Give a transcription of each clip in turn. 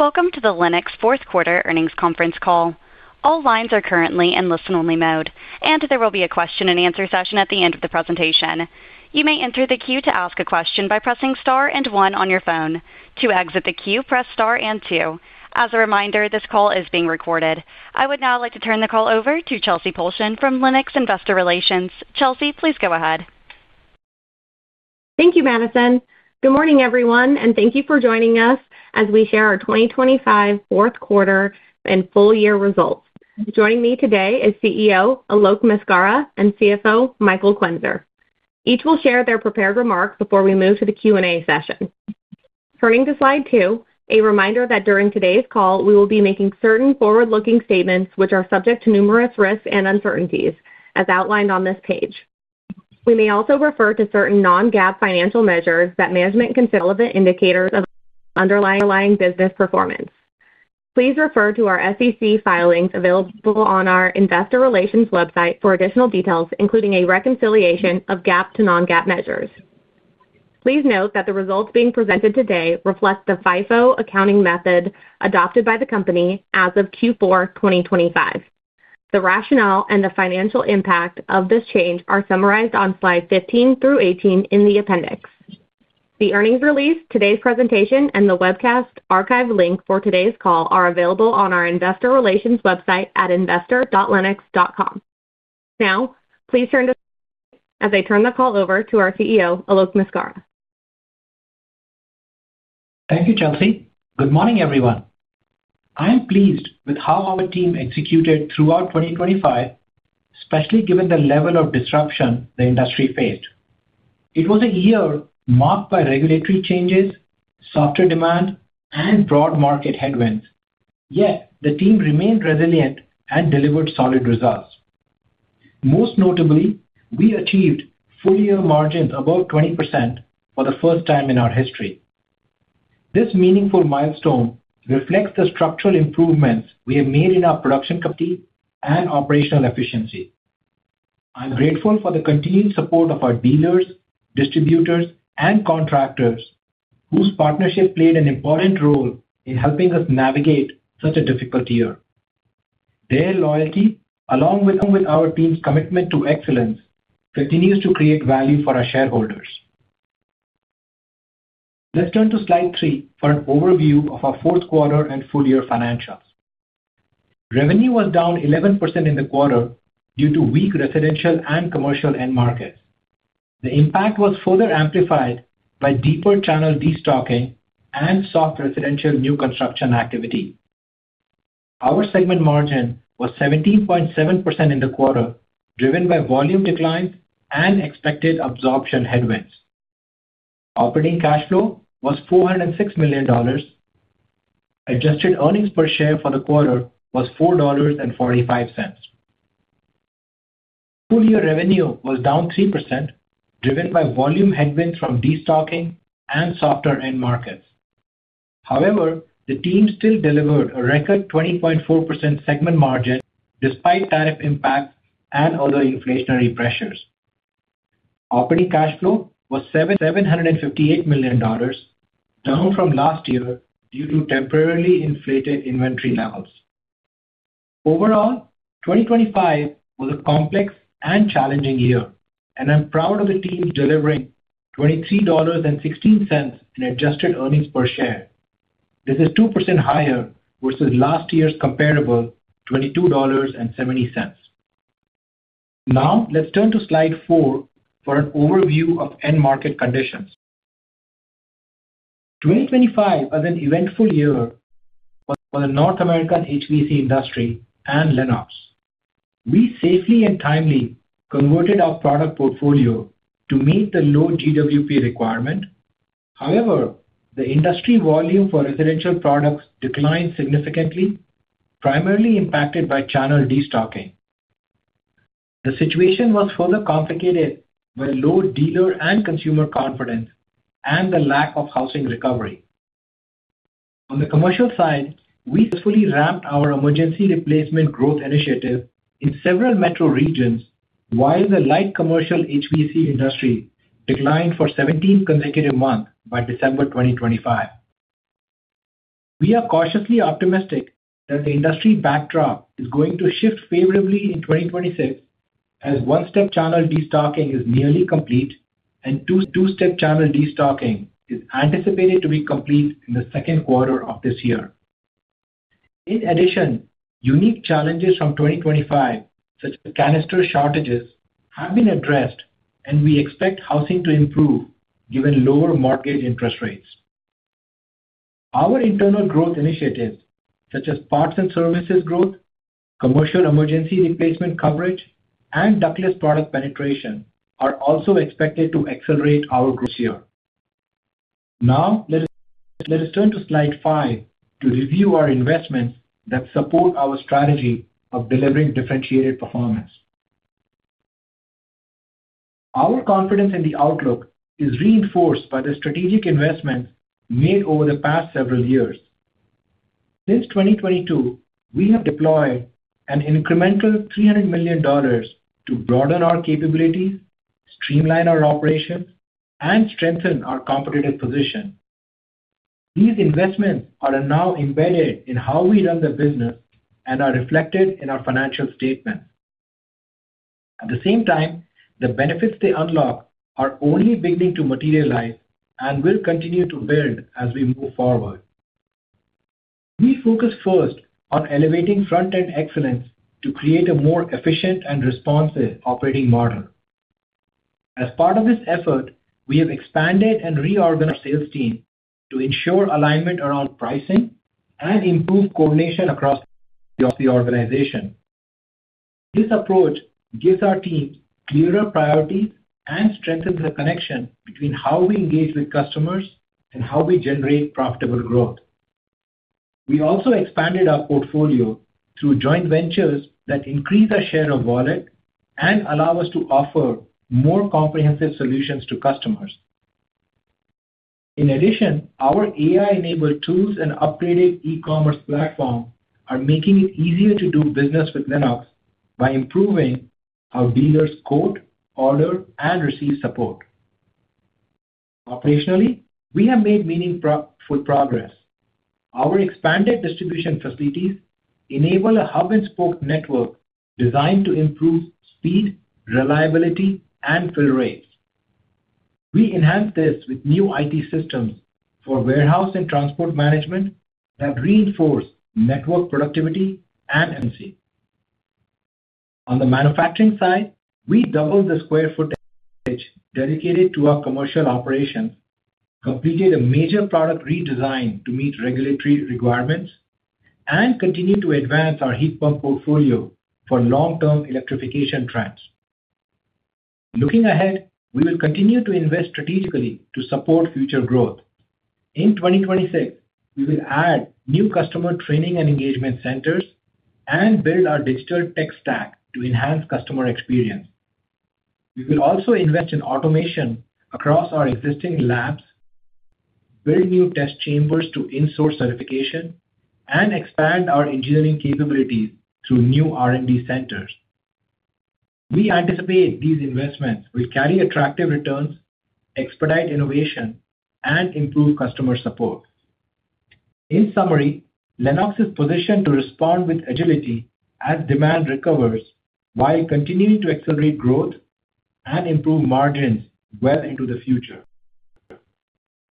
Welcome to the Lennox fourth quarter earnings conference call. All lines are currently in listen-only mode, and there will be a question-and-answer session at the end of the presentation. You may enter the queue to ask a question by pressing star and one on your phone. To exit the queue, press star and two. As a reminder, this call is being recorded. I would now like to turn the call over to Chelsey Polson from Lennox Investor Relations. Chelsey, please go ahead. Thank you, Madison. Good morning, everyone, and thank you for joining us as we share our 2025 fourth quarter and full-year results. Joining me today is CEO Alok Maskara and CFO Michael Quenzer. Each will share their prepared remarks before we move to the Q&A session. Turning to slide two, a reminder that during today's call, we will be making certain forward-looking statements which are subject to numerous risks and uncertainties, as outlined on this page. We may also refer to certain non-GAAP financial measures that management considers relevant indicators of underlying, underlying business performance. Please refer to our SEC filings available on our investor relations website for additional details, including a reconciliation of GAAP to non-GAAP measures. Please note that the results being presented today reflect the FIFO accounting method adopted by the company as of Q4 2025. The rationale and the financial impact of this change are summarized on slide 15 through 18 in the appendix. The earnings release, today's presentation, and the webcast archive link for today's call are available on our investor relations website at investor.lennox.com. Now, please turn to... As I turn the call over to our CEO, Alok Maskara. Thank you, Chelsey. Good morning, everyone. I am pleased with how our team executed throughout 2025, especially given the level of disruption the industry faced. It was a year marked by regulatory changes, softer demand, and broad market headwinds, yet the team remained resilient and delivered solid results. Most notably, we achieved full-year margins above 20% for the first time in our history. This meaningful milestone reflects the structural improvements we have made in our production competency and operational efficiency. I'm grateful for the continued support of our dealers, distributors, and contractors, whose partnership played an important role in helping us navigate such a difficult year. Their loyalty, along with our team's commitment to excellence, continues to create value for our shareholders. Let's turn to slide three for an overview of our fourth quarter and full year financials. Revenue was down 11% in the quarter due to weak residential and commercial end markets. The impact was further amplified by deeper channel destocking and soft residential new construction activity. Our segment margin was 17.7% in the quarter, driven by volume decline and expected absorption headwinds. Operating cash flow was $406 million. Adjusted earnings per share for the quarter was $4.45. Full year revenue was down 3%, driven by volume headwinds from destocking and softer end markets. However, the team still delivered a record 20.4% segment margin, despite tariff impacts and other inflationary pressures. Operating cash flow was $758 million, down from last year due to temporarily inflated inventory levels. Overall, 2025 was a complex and challenging year, and I'm proud of the team delivering $23.16 in adjusted earnings per share. This is 2% higher versus last year's comparable, $22.70. Now, let's turn to slide four for an overview of end market conditions. 2025 was an eventful year for the North American HVAC industry and Lennox. We safely and timely converted our product portfolio to meet the low GWP requirement. However, the industry volume for residential products declined significantly, primarily impacted by channel destocking. The situation was further complicated by low dealer and consumer confidence and the lack of housing recovery. On the commercial side, we successfully ramped our emergency replacement growth initiative in several metro regions, while the light commercial HVAC industry declined for 17 consecutive months by December 2025. We are cautiously optimistic that the industry backdrop is going to shift favorably in 2025, as one-step channel destocking is nearly complete and two-step channel destocking is anticipated to be complete in the second quarter of this year. In addition, unique challenges from 2025, such as canister shortages, have been addressed, and we expect housing to improve given lower mortgage interest rates. Our internal growth initiatives, such as parts and services growth, commercial emergency replacement coverage, and ductless product penetration, are also expected to accelerate our growth this year. Now, let us, let us turn to slide five to review our investments that support our strategy of delivering differentiated performance. Our confidence in the outlook is reinforced by the strategic investments made over the past several years. Since 2022, we have deployed an incremental $300 million to broaden our capabilities-... streamline our operations, and strengthen our competitive position. These investments are now embedded in how we run the business and are reflected in our financial statements. At the same time, the benefits they unlock are only beginning to materialize and will continue to build as we move forward. We focus first on elevating front-end excellence to create a more efficient and responsive operating model. As part of this effort, we have expanded and reorganized our sales team to ensure alignment around pricing and improve coordination across the organization. This approach gives our teams clearer priorities and strengthens the connection between how we engage with customers and how we generate profitable growth. We also expanded our portfolio through joint ventures that increase our share of wallet and allow us to offer more comprehensive solutions to customers. In addition, our AI-enabled tools and upgraded e-commerce platform are making it easier to do business with Lennox by improving how dealers quote, order, and receive support. Operationally, we have made meaningful progress. Our expanded distribution facilities enable a hub-and-spoke network designed to improve speed, reliability, and fill rates. We enhanced this with new IT systems for warehouse and transport management that reinforce network productivity and efficiency. On the manufacturing side, we doubled the square footage dedicated to our commercial operations, completed a major product redesign to meet regulatory requirements, and continued to advance our heat pump portfolio for long-term electrification trends. Looking ahead, we will continue to invest strategically to support future growth. In 2026, we will add new customer training and engagement centers and build our digital tech stack to enhance customer experience. We will also invest in automation across our existing labs, build new test chambers to in-source certification, and expand our engineering capabilities through new R&D centers. We anticipate these investments will carry attractive returns, expedite innovation, and improve customer support. In summary, Lennox is positioned to respond with agility as demand recovers, while continuing to accelerate growth and improve margins well into the future.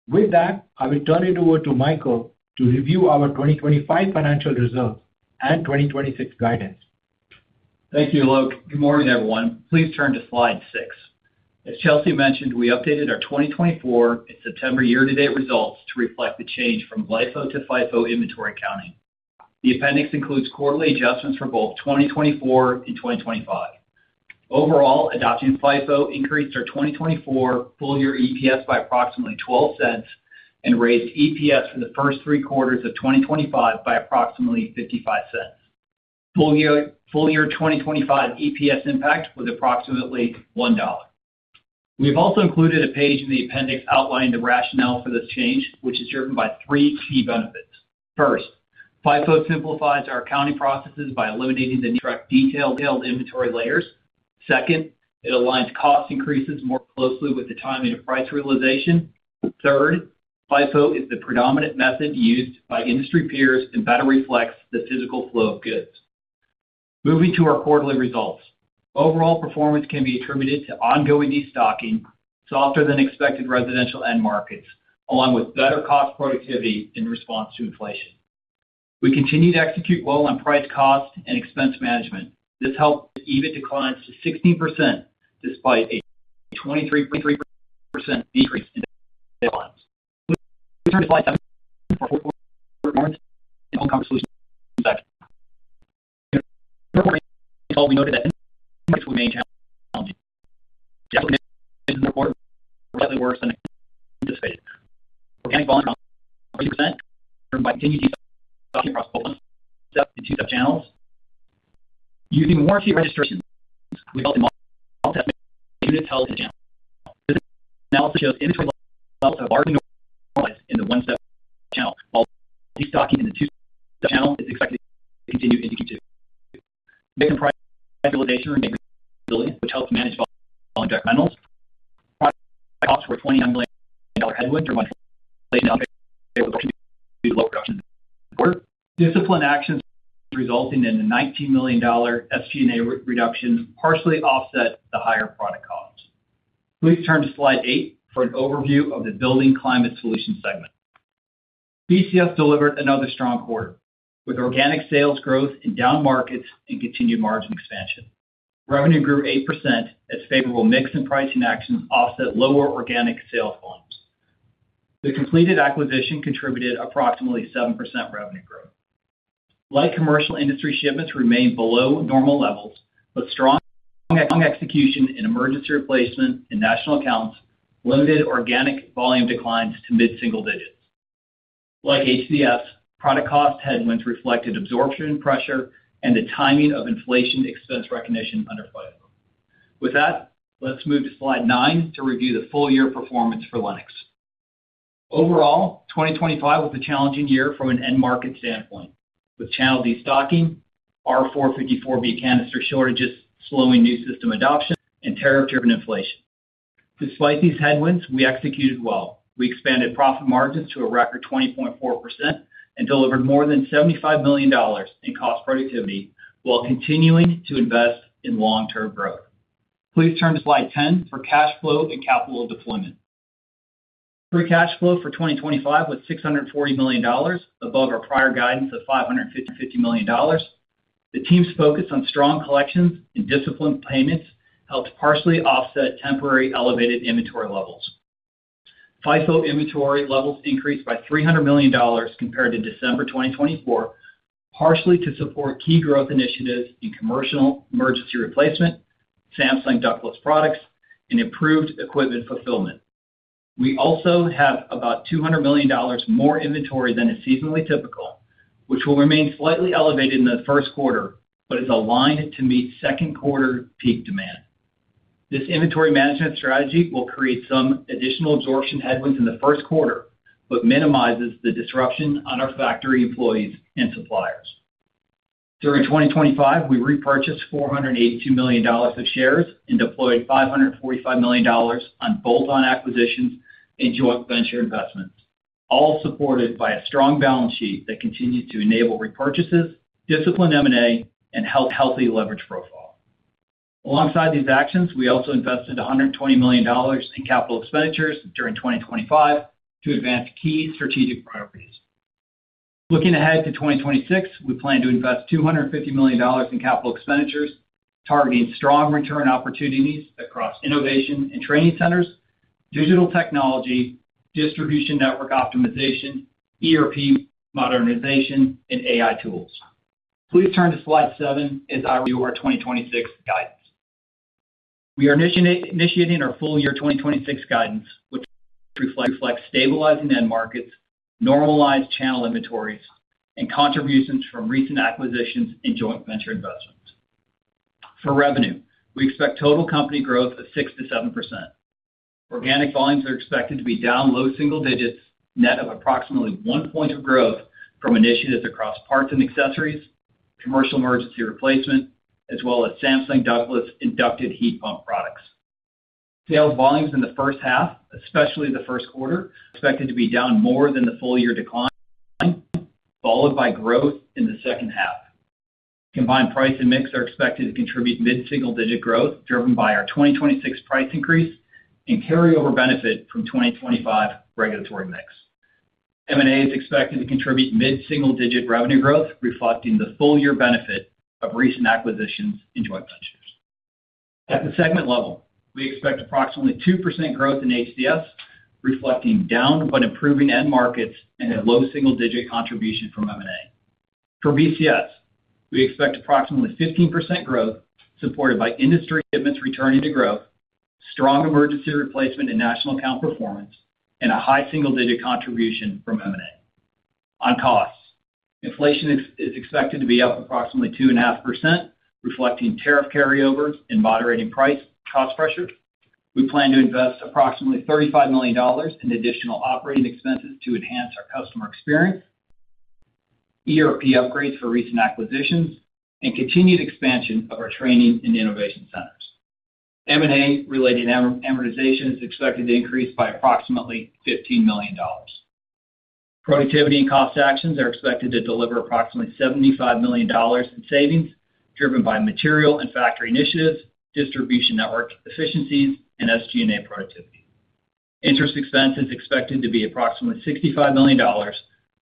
With that, I will turn it over to Michael to review our 2025 financial results and 2026 guidance. Thank you, Alok. Good morning, everyone. Please turn to slide six. As Chelsey mentioned, we updated our 2024 and September year-to-date results to reflect the change from LIFO to FIFO inventory counting. The appendix includes quarterly adjustments for both 2024 and 2025. Overall, adopting FIFO increased our 2024 full year EPS by approximately $0.12 and raised EPS for the first three quarters of 2025 by approximately $0.55. Full year, full year 2025 EPS impact was approximately $1. We've also included a page in the appendix outlining the rationale for this change, which is driven by three key benefits. First, FIFO simplifies our accounting processes by eliminating the need to track detailed inventory layers. Second, it aligns cost increases more closely with the timing of price realization. Third, FIFO is the predominant method used by industry peers and better reflects the physical flow of goods. Moving to our quarterly results. Overall performance can be attributed to ongoing destocking, softer than expected residential end markets, along with better cost productivity in response to inflation. We continued to execute well on price, cost, and expense management. This helped to even declines to 16%, despite a 23% decrease in sales. Disciplined actions resulting in a $19 million SG&A reduction, partially offset the higher product costs. Please turn to slide eight for an overview of the Building Climate Solutions segment. BCS delivered another strong quarter, with organic sales growth in down markets and continued margin expansion. Revenue grew 8% as favorable mix and pricing actions offset lower organic sales volumes. The completed acquisition contributed approximately 7% revenue growth. Light commercial industry shipments remained below normal levels, but strong, strong execution in emergency replacement and national accounts limited organic volume declines to mid-single digits. Like HCS, product cost headwinds reflected absorption pressure and the timing of inflation expense recognition under FIFO. With that, let's move to slide nine to review the full year performance for Lennox. Overall, 2025 was a challenging year from an end market standpoint, with channel destocking, R-454B canister shortages slowing new system adoption, and tariff-driven inflation. Despite these headwinds, we executed well. We expanded profit margins to a record 20.4% and delivered more than $75 million in cost productivity while continuing to invest in long-term growth. Please turn to slide 10 for cash flow and capital deployment. Free cash flow for 2025 was $640 million, above our prior guidance of $550 million. The team's focus on strong collections and disciplined payments helped partially offset temporary elevated inventory levels. FIFO inventory levels increased by $300 million compared to December 2024, partially to support key growth initiatives in commercial emergency replacement, Samsung ductless products, and improved equipment fulfillment. We also have about $200 million more inventory than is seasonally typical, which will remain slightly elevated in the first quarter, but is aligned to meet second quarter peak demand. This inventory management strategy will create some additional absorption headwinds in the first quarter, but minimizes the disruption on our factory employees and suppliers. During 2025, we repurchased $482 million of shares and deployed $545 million on bolt-on acquisitions and joint venture investments, all supported by a strong balance sheet that continued to enable repurchases, disciplined M&A, and a healthy leverage profile. Alongside these actions, we also invested $120 million in capital expenditures during 2025 to advance key strategic priorities. Looking ahead to 2026, we plan to invest $250 million in capital expenditures, targeting strong return opportunities across innovation and training centers, digital technology, distribution network optimization, ERP modernization, and AI tools. Please turn to slide seven as I review our 2026 guidance. We are initiating our full-year 2026 guidance, which reflects stabilizing end markets, normalized channel inventories, and contributions from recent acquisitions and joint venture investments. For revenue, we expect total company growth of 6%-7%. Organic volumes are expected to be down low single digits, net of approximately one point of growth from initiatives across parts and accessories, commercial emergency replacement, as well as Samsung ductless ducted heat pump products. Sales volumes in the first half, especially the first quarter, expected to be down more than the full-year decline, followed by growth in the second half. Combined price and mix are expected to contribute mid-single digit growth, driven by our 2026 price increase and carryover benefit from 2025 regulatory mix. M&A is expected to contribute mid-single digit revenue growth, reflecting the full year benefit of recent acquisitions and joint ventures. At the segment level, we expect approximately 2% growth in HCS, reflecting down but improving end markets and a low single digit contribution from M&A. For BCS, we expect approximately 15% growth, supported by industry shipments returning to growth, strong emergency replacement and national account performance, and a high single digit contribution from M&A. On costs, inflation ex- is expected to be up approximately 2.5%, reflecting tariff carryovers and moderating price-cost pressures. We plan to invest approximately $35 million in additional operating expenses to enhance our customer experience, ERP upgrades for recent acquisitions, and continued expansion of our training and innovation centers. M&A related amortization is expected to increase by approximately $15 million. Productivity and cost actions are expected to deliver approximately $75 million in savings, driven by material and factory initiatives, distribution network efficiencies, and SG&A productivity. Interest expense is expected to be approximately $65 million,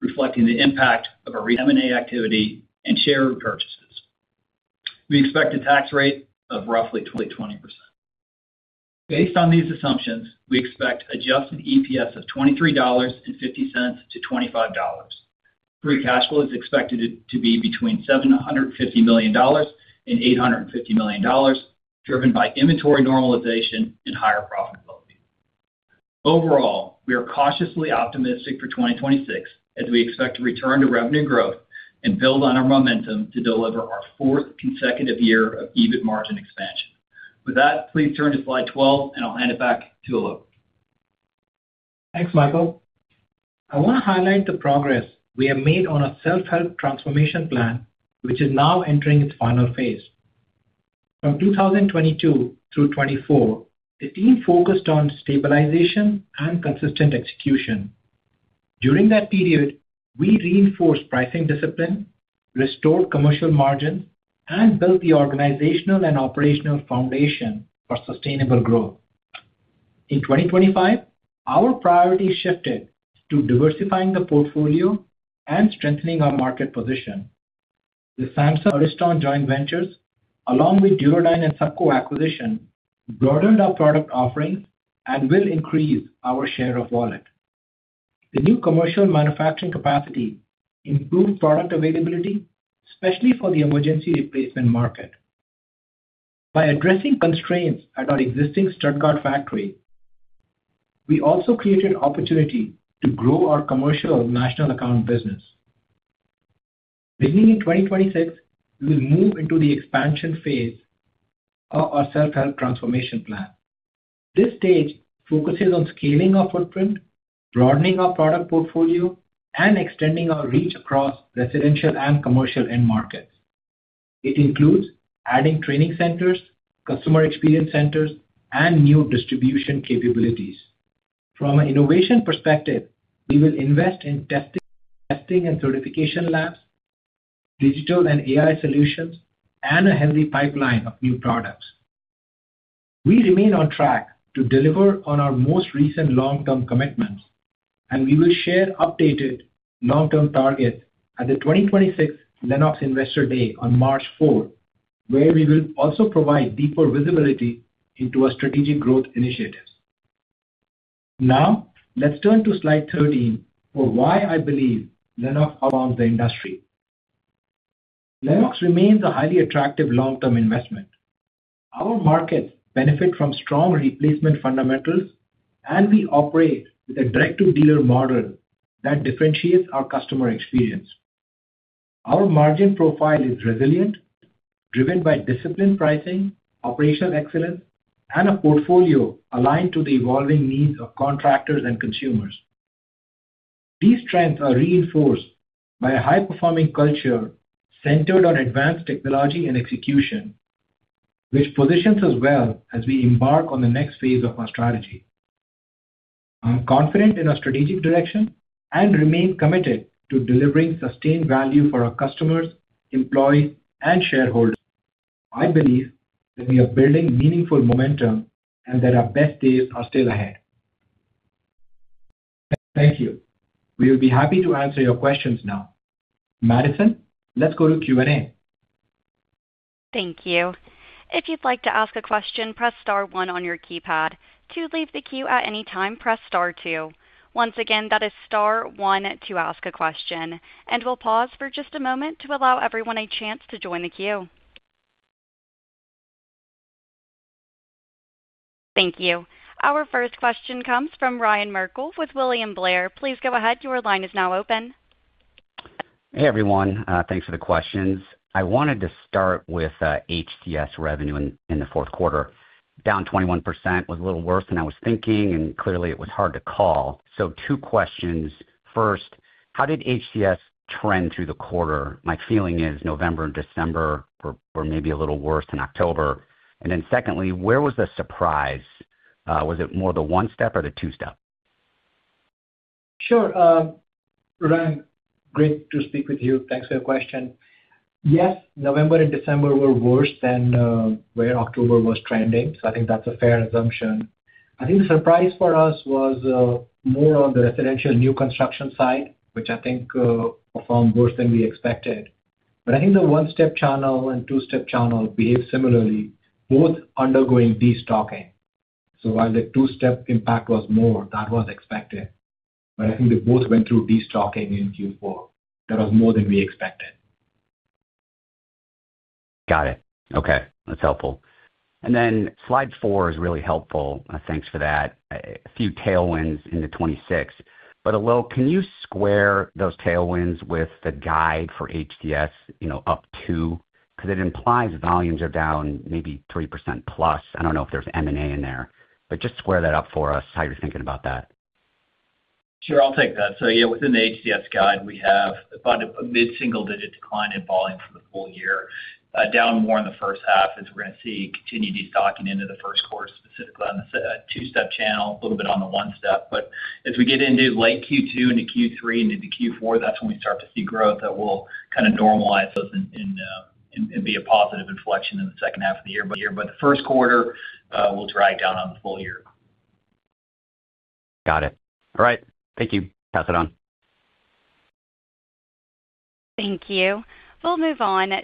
reflecting the impact of our recent M&A activity and share repurchases. We expect a tax rate of roughly 20%. Based on these assumptions, we expect adjusted EPS of $23.50-$25. Free cash flow is expected to be between $750 million and $850 million, driven by inventory normalization and higher profitability. Overall, we are cautiously optimistic for 2026, as we expect to return to revenue growth and build on our momentum to deliver our fourth consecutive year of EBIT margin expansion. With that, please turn to slide 12, and I'll hand it back to Alok. Thanks, Michael. I want to highlight the progress we have made on our self-help transformation plan, which is now entering its final phase. From 2022 through 2024, the team focused on stabilization and consistent execution. During that period, we reinforced pricing discipline, restored commercial margins, and built the organizational and operational foundation for sustainable growth. In 2025, our priority shifted to diversifying the portfolio and strengthening our market position. The Samsung Ariston joint ventures, along with Duro Dyne and Supco acquisition, broadened our product offerings and will increase our share of wallet. The new commercial manufacturing capacity improved product availability, especially for the emergency replacement market. By addressing constraints at our existing Stuttgart factory, we also created opportunity to grow our commercial national account business. Beginning in 2026, we will move into the expansion phase of our self-help transformation plan. This stage focuses on scaling our footprint, broadening our product portfolio, and extending our reach across residential and commercial end markets. It includes adding training centers, customer experience centers, and new distribution capabilities. From an innovation perspective, we will invest in testing, testing and certification labs, digital and AI solutions, and a healthy pipeline of new products. We remain on track to deliver on our most recent long-term commitments, and we will share updated long-term targets at the 2026 Lennox Investor Day on March 4, where we will also provide deeper visibility into our strategic growth initiatives. Now, let's turn to slide 13 for why I believe Lennox leads the industry. Lennox remains a highly attractive long-term investment. Our markets benefit from strong replacement fundamentals, and we operate with a direct-to-dealer model that differentiates our customer experience. Our margin profile is resilient, driven by disciplined pricing, operational excellence, and a portfolio aligned to the evolving needs of contractors and consumers. These strengths are reinforced by a high-performing culture centered on advanced technology and execution, which positions us well as we embark on the next phase of our strategy. I'm confident in our strategic direction and remain committed to delivering sustained value for our customers, employees, and shareholders. I believe that we are building meaningful momentum and that our best days are still ahead. Thank you. We will be happy to answer your questions now. Madison, let's go to Q&A. Thank you. If you'd like to ask a question, press star one on your keypad. To leave the queue at any time, press star two. Once again, that is star one to ask a question, and we'll pause for just a moment to allow everyone a chance to join the queue. Thank you. Our first question comes from Ryan Merkel with William Blair. Please go ahead. Your line is now open. Hey, everyone. Thanks for the questions. I wanted to start with HCS revenue in the fourth quarter, down 21%, was a little worse than I was thinking, and clearly it was hard to call. So two questions. First, how did HCS trend through the quarter? My feeling is November and December were maybe a little worse than October. And then secondly, where was the surprise? Was it more the one-step or the two-step? Sure. Ryan, great to speak with you. Thanks for your question. Yes, November and December were worse than where October was trending, so I think that's a fair assumption. I think the surprise for us was more on the residential new construction side, which I think performed worse than we expected. But I think the one-step channel and two-step channel behaved similarly, both undergoing destocking. So while the two-step impact was more, that was expected, but I think they both went through destocking in Q4. That was more than we expected. Got it. Okay, that's helpful. And then slide four is really helpful. Thanks for that. A few tailwinds into 2026. But Alok, can you square those tailwinds with the guide for HCS, you know, up to? Because it implies volumes are down maybe 3% plus. I don't know if there's M&A in there, but just square that up for us, how you're thinking about that. Sure, I'll take that. So yeah, within the HCS guidance, we have about a mid-single-digit decline in volume for the full year, down more in the first half as we're going to see continued destocking into the first quarter, specifically on the two-step channel, a little bit on the one-step. But as we get into late Q2 into Q3 and into Q4, that's when we start to see growth that will kind of normalize those and, and be a positive inflection in the second half year-over-year. But the first quarter will drag down on the full year. Got it. All right. Thank you. Pass it on. Thank you. We'll move on to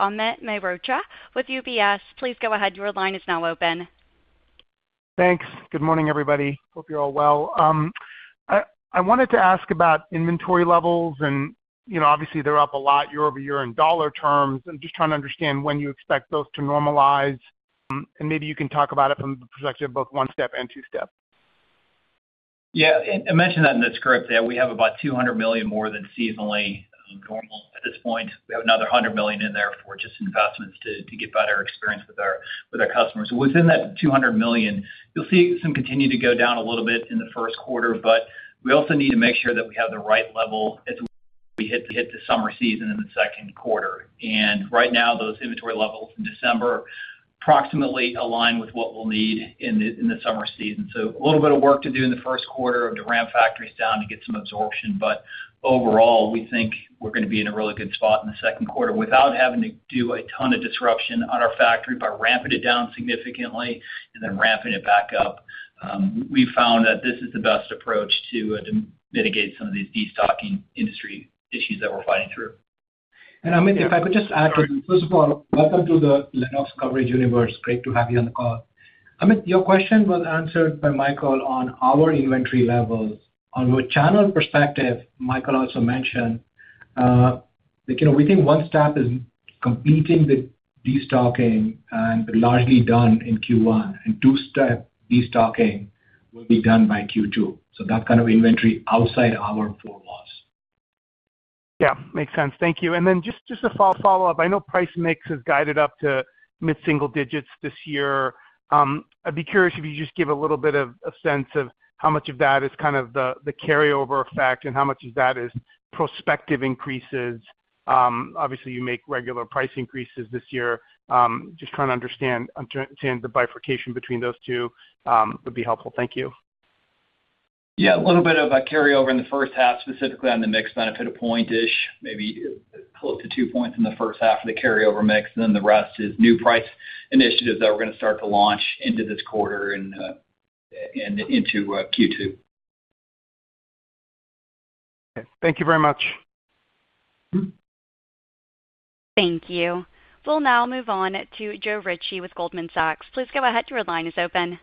Amit Mehrotra with UBS. Please go ahead. Your line is now open. Thanks. Good morning, everybody. Hope you're all well. I wanted to ask about inventory levels and, you know, obviously, they're up a lot year-over-year in dollar terms, and just trying to understand when you expect those to normalize. And maybe you can talk about it from the perspective of both one-step and two-step. Yeah, I mentioned that in the script, that we have about $200 million more than seasonally normal at this point. We have another $100 million in there for just investments to get better experience with our customers. Within that $200 million, you'll see some continue to go down a little bit in the first quarter, but we also need to make sure that we have the right level as we hit the summer season in the second quarter. Right now, those inventory levels in December approximately align with what we'll need in the summer season. A little bit of work to do in the first quarter to ramp factories down to get some absorption, but overall, we think we're going to be in a really good spot in the second quarter without having to do a ton of disruption on our factory by ramping it down significantly and then ramping it back up. We found that this is the best approach to mitigate some of these destocking industry issues that we're fighting through. Amit, if I could just add to it. First of all, welcome to the Lennox coverage universe. Great to have you on the call. Amit, your question was answered by Michael on our inventory levels. On your channel perspective, Michael also mentioned that, you know, we think one-step is completing the destocking and largely done in Q1, and two-step destocking will be done by Q2. So that kind of inventory outside our four walls. Yeah, makes sense. Thank you. And then just a follow-up. I know price mix is guided up to mid-single digits this year. I'd be curious if you just give a little bit of a sense of how much of that is kind of the carryover effect and how much of that is prospective increases. Obviously, you make regular price increases this year. Just trying to understand the bifurcation between those two would be helpful. Thank you. Yeah, a little bit of a carryover in the first half, specifically on the mix benefit of point-ish, maybe close to two points in the first half of the carryover mix, then the rest is new price initiatives that we're going to start to launch into this quarter and into Q2. Thank you very much. Thank you. We'll now move on to Joe Ritchie with Goldman Sachs. Please go ahead, your line is open.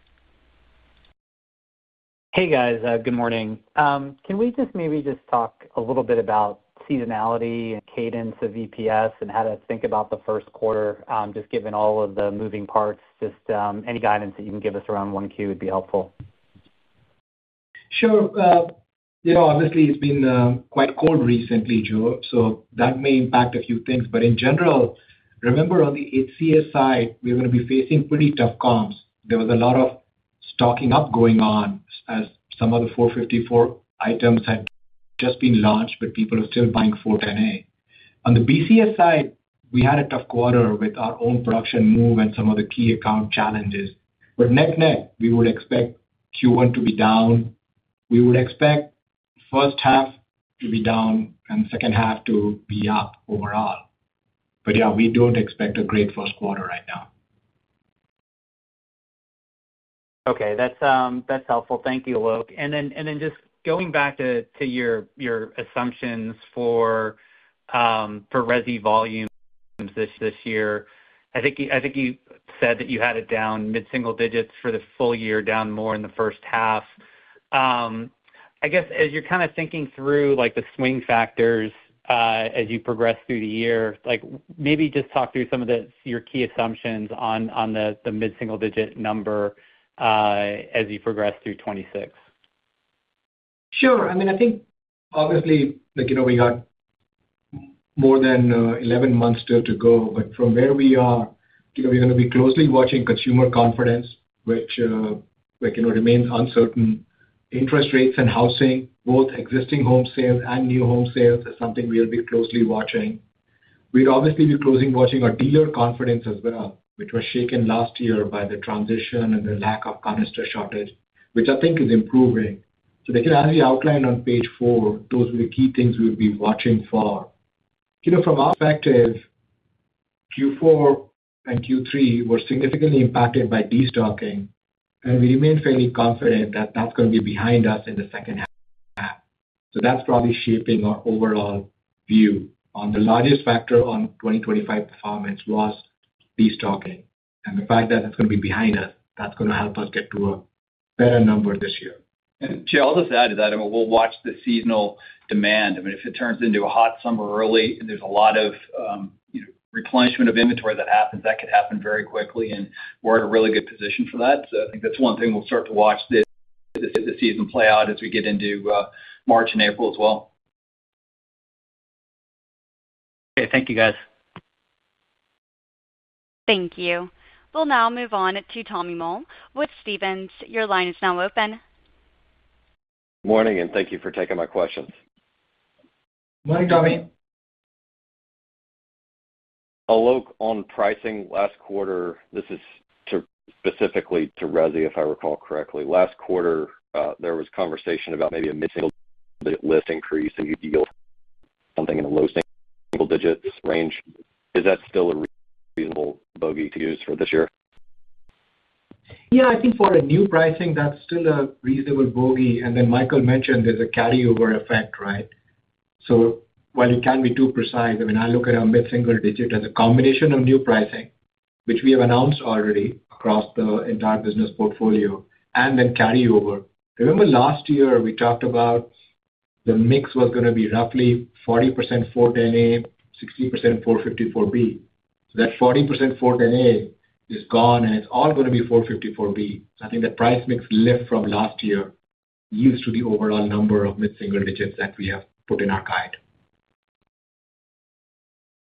Hey, guys, good morning. Can we just maybe just talk a little bit about seasonality and cadence of EPS and how to think about the first quarter, just given all of the moving parts, just, any guidance that you can give us around 1Q would be helpful. Sure. You know, obviously, it's been quite cold recently, Joe, so that may impact a few things. But in general, remember, on the HCS side, we're gonna be facing pretty tough comps. There was a lot of stocking up going on as some of the R-454B items had just been launched, but people are still buying R-410A. On the BCS side, we had a tough quarter with our own production move and some of the key account challenges. But net-net, we would expect Q1 to be down. We would expect first half to be down and the second half to be up overall. But yeah, we don't expect a great first quarter right now. Okay, that's, that's helpful. Thank you, Alok. And then, and then just going back to, to your, your assumptions for, for resi volumes this, this year. I think you, I think you said that you had it down mid-single digits for the full year, down more in the first half. I guess, as you're kind of thinking through, like, the swing factors, as you progress through the year, like, maybe just talk through some of the, your key assumptions on, on the, the mid-single digit number, as you progress through 2026. Sure. I mean, I think obviously, like, you know, we got more than eleven months still to go, but from where we are, you know, we're gonna be closely watching consumer confidence, which like, you know, remains uncertain. Interest rates and housing, both existing home sales and new home sales, is something we'll be closely watching. We'd obviously be closely watching our dealer confidence as well, which was shaken last year by the transition and the lack of canister shortage, which I think is improving. So like I outlined on page four, those are the key things we'll be watching for. You know, from our perspective, Q4 and Q3 were significantly impacted by destocking, and we remain fairly confident that that's gonna be behind us in the second half. That's probably shaping our overall view on the largest factor on 2025 performance was destocking, and the fact that it's gonna be behind us, that's gonna help us get to a better number this year. And Joe, I'll just add to that, and we'll watch the seasonal demand. I mean, if it turns into a hot summer early, and there's a lot of, you know, replenishment of inventory that happens, that could happen very quickly, and we're in a really good position for that. So I think that's one thing we'll start to watch this, the season play out as we get into March and April as well. Okay, thank you, guys. Thank you. We'll now move on to Tommy Moll with Stephens. Your line is now open. Morning, and thank you for taking my questions. Morning, Tommy. Alok, on pricing last quarter, this is specifically to resi, if I recall correctly. Last quarter, there was conversation about maybe a mid-single digit list increase and you yield something in the low single digits range. Is that still a reasonable bogey to use for this year? Yeah, I think for new pricing, that's still a reasonable bogey. And then Michael mentioned there's a carryover effect, right? So while it can be too precise, I mean, I look at our mid-single digit as a combination of new pricing, which we have announced already across the entire business portfolio, and then carryover. Remember last year, we talked about the mix was gonna be roughly 40% R-410A, 60% R-454B. So that 40% R-410A is gone, and it's all gonna be R-454B. I think the price mix lift from last year used to the overall number of mid-single digits that we have put in our guide.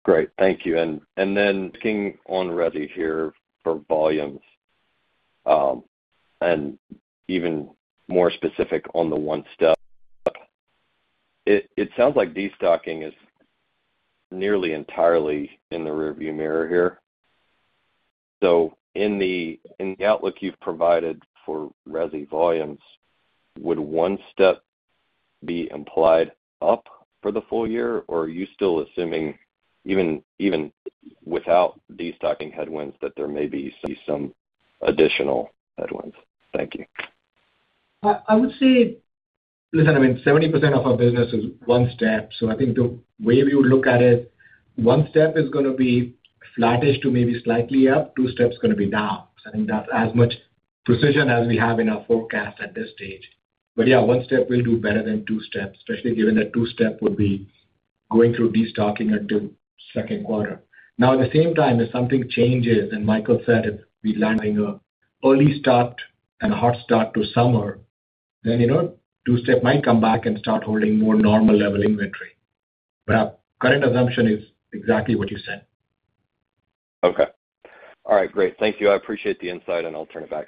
Great. Thank you. And then clicking on resi here for volumes, and even more specific on the one step. It sounds like destocking is nearly entirely in the rearview mirror here. So in the outlook you've provided for resi volumes, would one step be implied up for the full year? Or are you still assuming, even without destocking headwinds, that there may be some additional headwinds? Thank you. I would say, listen, I mean, 70% of our business is one-step, so I think the way we look at it, one-step is gonna be flattish to maybe slightly up, two-step is gonna be down. So I think that's as much precision as we have in our forecast at this stage. But yeah, one-step will do better than two-step, especially given that two-step would be going through destocking into second quarter. Now, at the same time, if something changes, and Michael said, if we landing an early start and a hot start to summer, then, you know, two-step might come back and start holding more normal level inventory. But our current assumption is exactly what you said. Okay. All right, great. Thank you. I appreciate the insight, and I'll turn it back.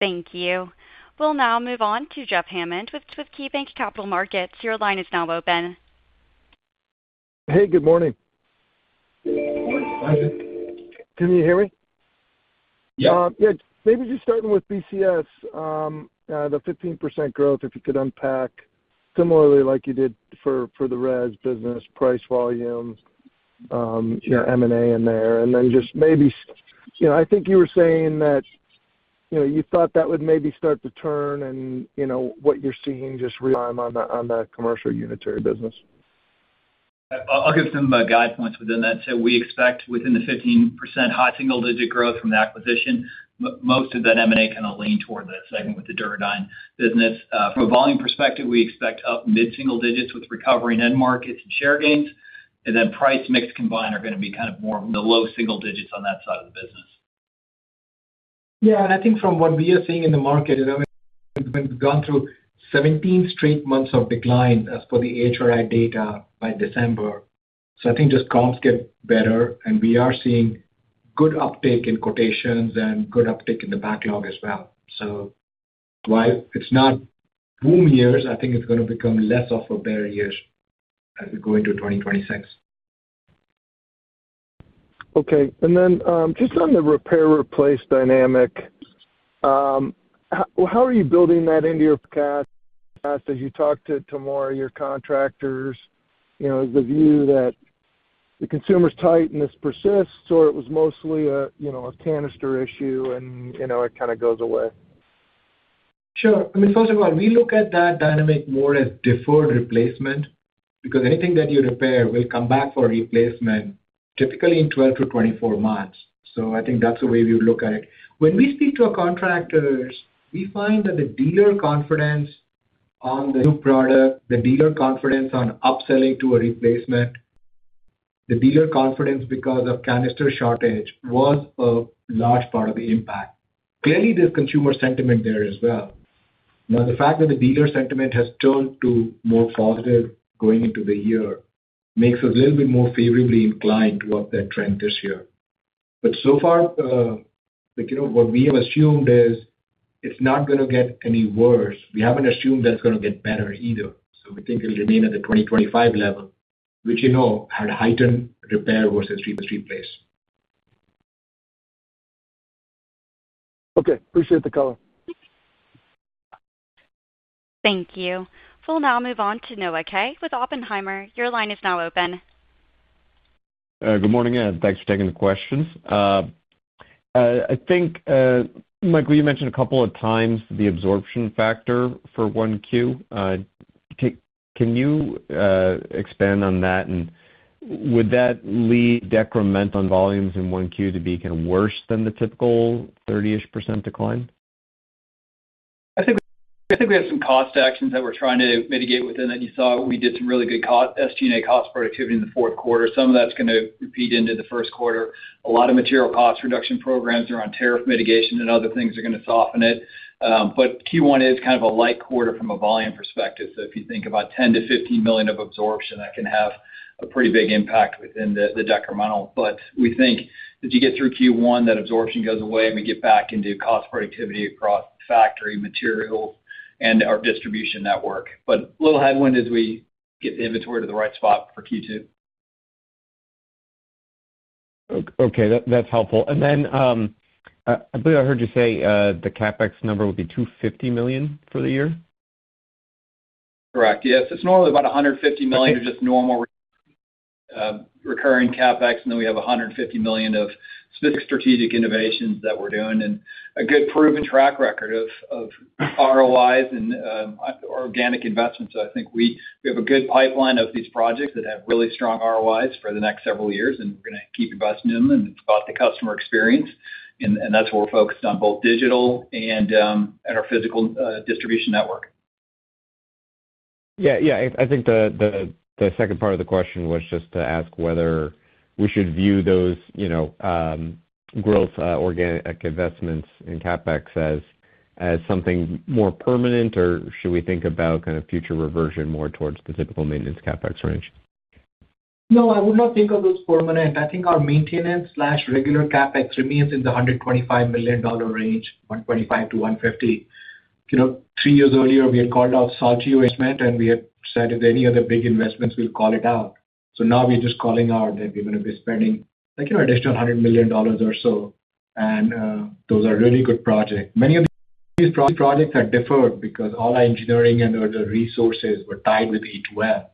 Thank you. We'll now move on to Jeff Hammond with KeyBanc Capital Markets. Your line is now open. Hey, good morning. Can you hear me? Yep. Yeah, maybe just starting with BCS, the 15% growth, if you could unpack similarly like you did for, for the res business price volumes, you know, M&A in there. And then just maybe, you know, I think you were saying that, you know, you thought that would maybe start to turn and, you know, what you're seeing just relying on the, on the commercial unitary business. I'll give some guide points within that. So we expect within the 15% high single-digit growth from the acquisition, most of that M&A kind of lean toward that segment with the Duro Dyne business. From a volume perspective, we expect up mid-single digits with recovery in end markets and share gains, and then price mixed combined are gonna be kind of more the low single digits on that side of the business. Yeah, and I think from what we are seeing in the market, we've gone through 17 straight months of decline as per the AHRI data by December. So I think just comps get better, and we are seeing good uptake in quotations and good uptake in the backlog as well. So while it's not boom years, I think it's gonna become less of a barrier as we go into 2026. Okay. Then, just on the repair/replace dynamic, how are you building that into your forecast as you talk to more of your contractors? You know, the view that the consumer's tightness persists, so it was mostly a, you know, a canister issue and, you know, it kind of goes away. Sure. I mean, first of all, we look at that dynamic more as deferred replacement, because anything that you repair will come back for replacement, typically in 12 months-24 months. So I think that's the way we look at it. When we speak to our contractors, we find that the dealer confidence on the new product, the dealer confidence on upselling to a replacement, the dealer confidence because of canister shortage, was a large part of the impact. Clearly, there's consumer sentiment there as well. Now, the fact that the dealer sentiment has turned to more positive going into the year makes us a little bit more favorably inclined towards that trend this year. But so far, like, you know, what we have assumed is it's not gonna get any worse. We haven't assumed that it's gonna get better either. We think it'll remain at the 2025 level, which, you know, had heightened repair versus replace. Okay. Appreciate the color. Thank you. We'll now move on to Noah Kaye with Oppenheimer. Your line is now open. Good morning, and thanks for taking the questions. I think, Michael, you mentioned a couple of times the absorption factor for Q1. Can you expand on that, and would that lead decrement on volumes in Q1 to be kind of worse than the typical 30-ish% decline? I think we have some cost actions that we're trying to mitigate within that. You saw we did some really good cost, SG&A cost productivity in the fourth quarter. Some of that's gonna repeat into the first quarter. A lot of material cost reduction programs are on tariff mitigation, and other things are gonna soften it. But Q1 is kind of a light quarter from a volume perspective. So if you think about $10 million-$15 million of absorption, that can have a pretty big impact within the decremental. But we think as you get through Q1, that absorption goes away, and we get back into cost productivity across factory, material, and our distribution network. But a little headwind as we get the inventory to the right spot for Q2. Okay, that, that's helpful. And then, I believe I heard you say the CapEx number would be $250 million for the year? Correct. Yes, it's normally about $150 million for just normal, recurring CapEx, and then we have $150 million of specific strategic innovations that we're doing and a good proven track record of, of ROIs and, organic investments. So I think we, we have a good pipeline of these projects that have really strong ROIs for the next several years, and we're gonna keep investing in them, and it's about the customer experience, and, and that's where we're focused on both digital and, and our physical, distribution network. Yeah, yeah. I think the second part of the question was just to ask whether we should view those, you know, growth organic investments in CapEx as something more permanent, or should we think about kind of future reversion more towards the typical maintenance CapEx range? No, I would not think of those permanent. I think our maintenance/regular CapEx remains in the $125 million range, $125 million-$150 million. You know, three years earlier, we had called out Saltillo investment, and we had said if any other big investments, we'll call it out. So now we're just calling out that we're gonna be spending, like, an additional $100 million or so. And those are really good projects. Many of these projects are deferred because all our engineering and other resources were tied with A2L.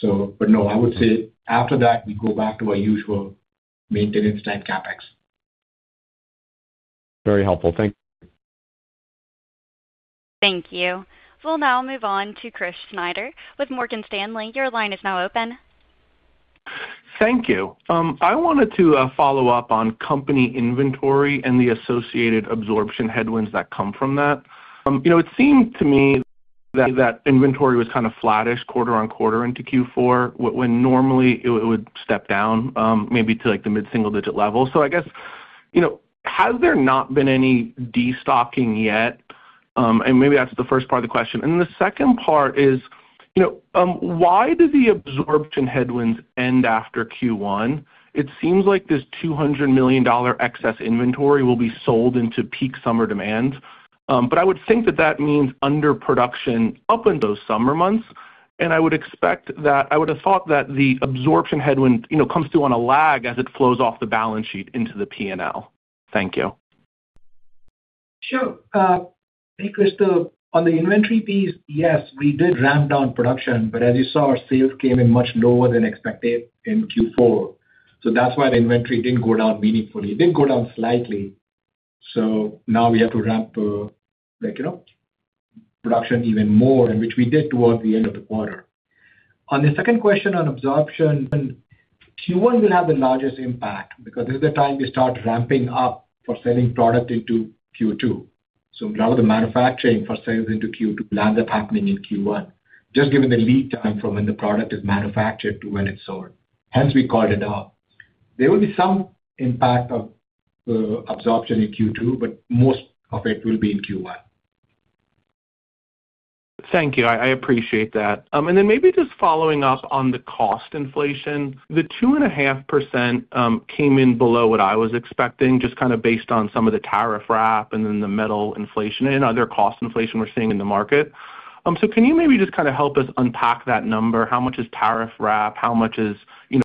So but no, I would say after that, we go back to our usual maintenance type CapEx. Very helpful. Thank you. Thank you. We'll now move on to Chris Snyder with Morgan Stanley. Your line is now open.... Thank you. I wanted to follow up on company inventory and the associated absorption headwinds that come from that. You know, it seemed to me that inventory was kind of flattish quarter-over-quarter into Q4, when normally it would step down, maybe to, like, the mid-single-digit level. So I guess, you know, has there not been any destocking yet? And maybe that's the first part of the question. And then the second part is, you know, why do the absorption headwinds end after Q1? It seems like this $200 million excess inventory will be sold into peak summer demand. But I would think that that means underproduction up in those summer months, and I would expect that. I would have thought that the absorption headwind, you know, comes through on a lag as it flows off the balance sheet into the P&L. Thank you. Sure. Hey, Chris. On the inventory piece, yes, we did ramp down production, but as you saw, our sales came in much lower than expected in Q4. So that's why the inventory didn't go down meaningfully. It did go down slightly, so now we have to ramp, like, you know, production even more, and which we did towards the end of the quarter. On the second question on absorption, Q1 will have the largest impact, because this is the time we start ramping up for selling product into Q2. So a lot of the manufacturing for sales into Q2 will end up happening in Q1, just given the lead time from when the product is manufactured to when it's sold, hence we called it out. There will be some impact of absorption in Q2, but most of it will be in Q1. Thank you. I appreciate that. And then maybe just following up on the cost inflation. The 2.5% came in below what I was expecting, just kind of based on some of the tariff wrap and then the metal inflation and other cost inflation we're seeing in the market. So can you maybe just kind of help us unpack that number? How much is tariff wrap? How much is, you know,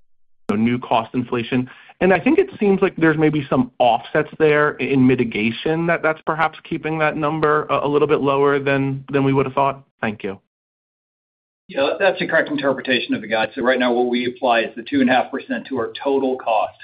new cost inflation? And I think it seems like there's maybe some offsets there in mitigation that, that's perhaps keeping that number a little bit lower than we would have thought. Thank you. Yeah, that's the correct interpretation of the guide. So right now, what we apply is the 2.5% to our total cost.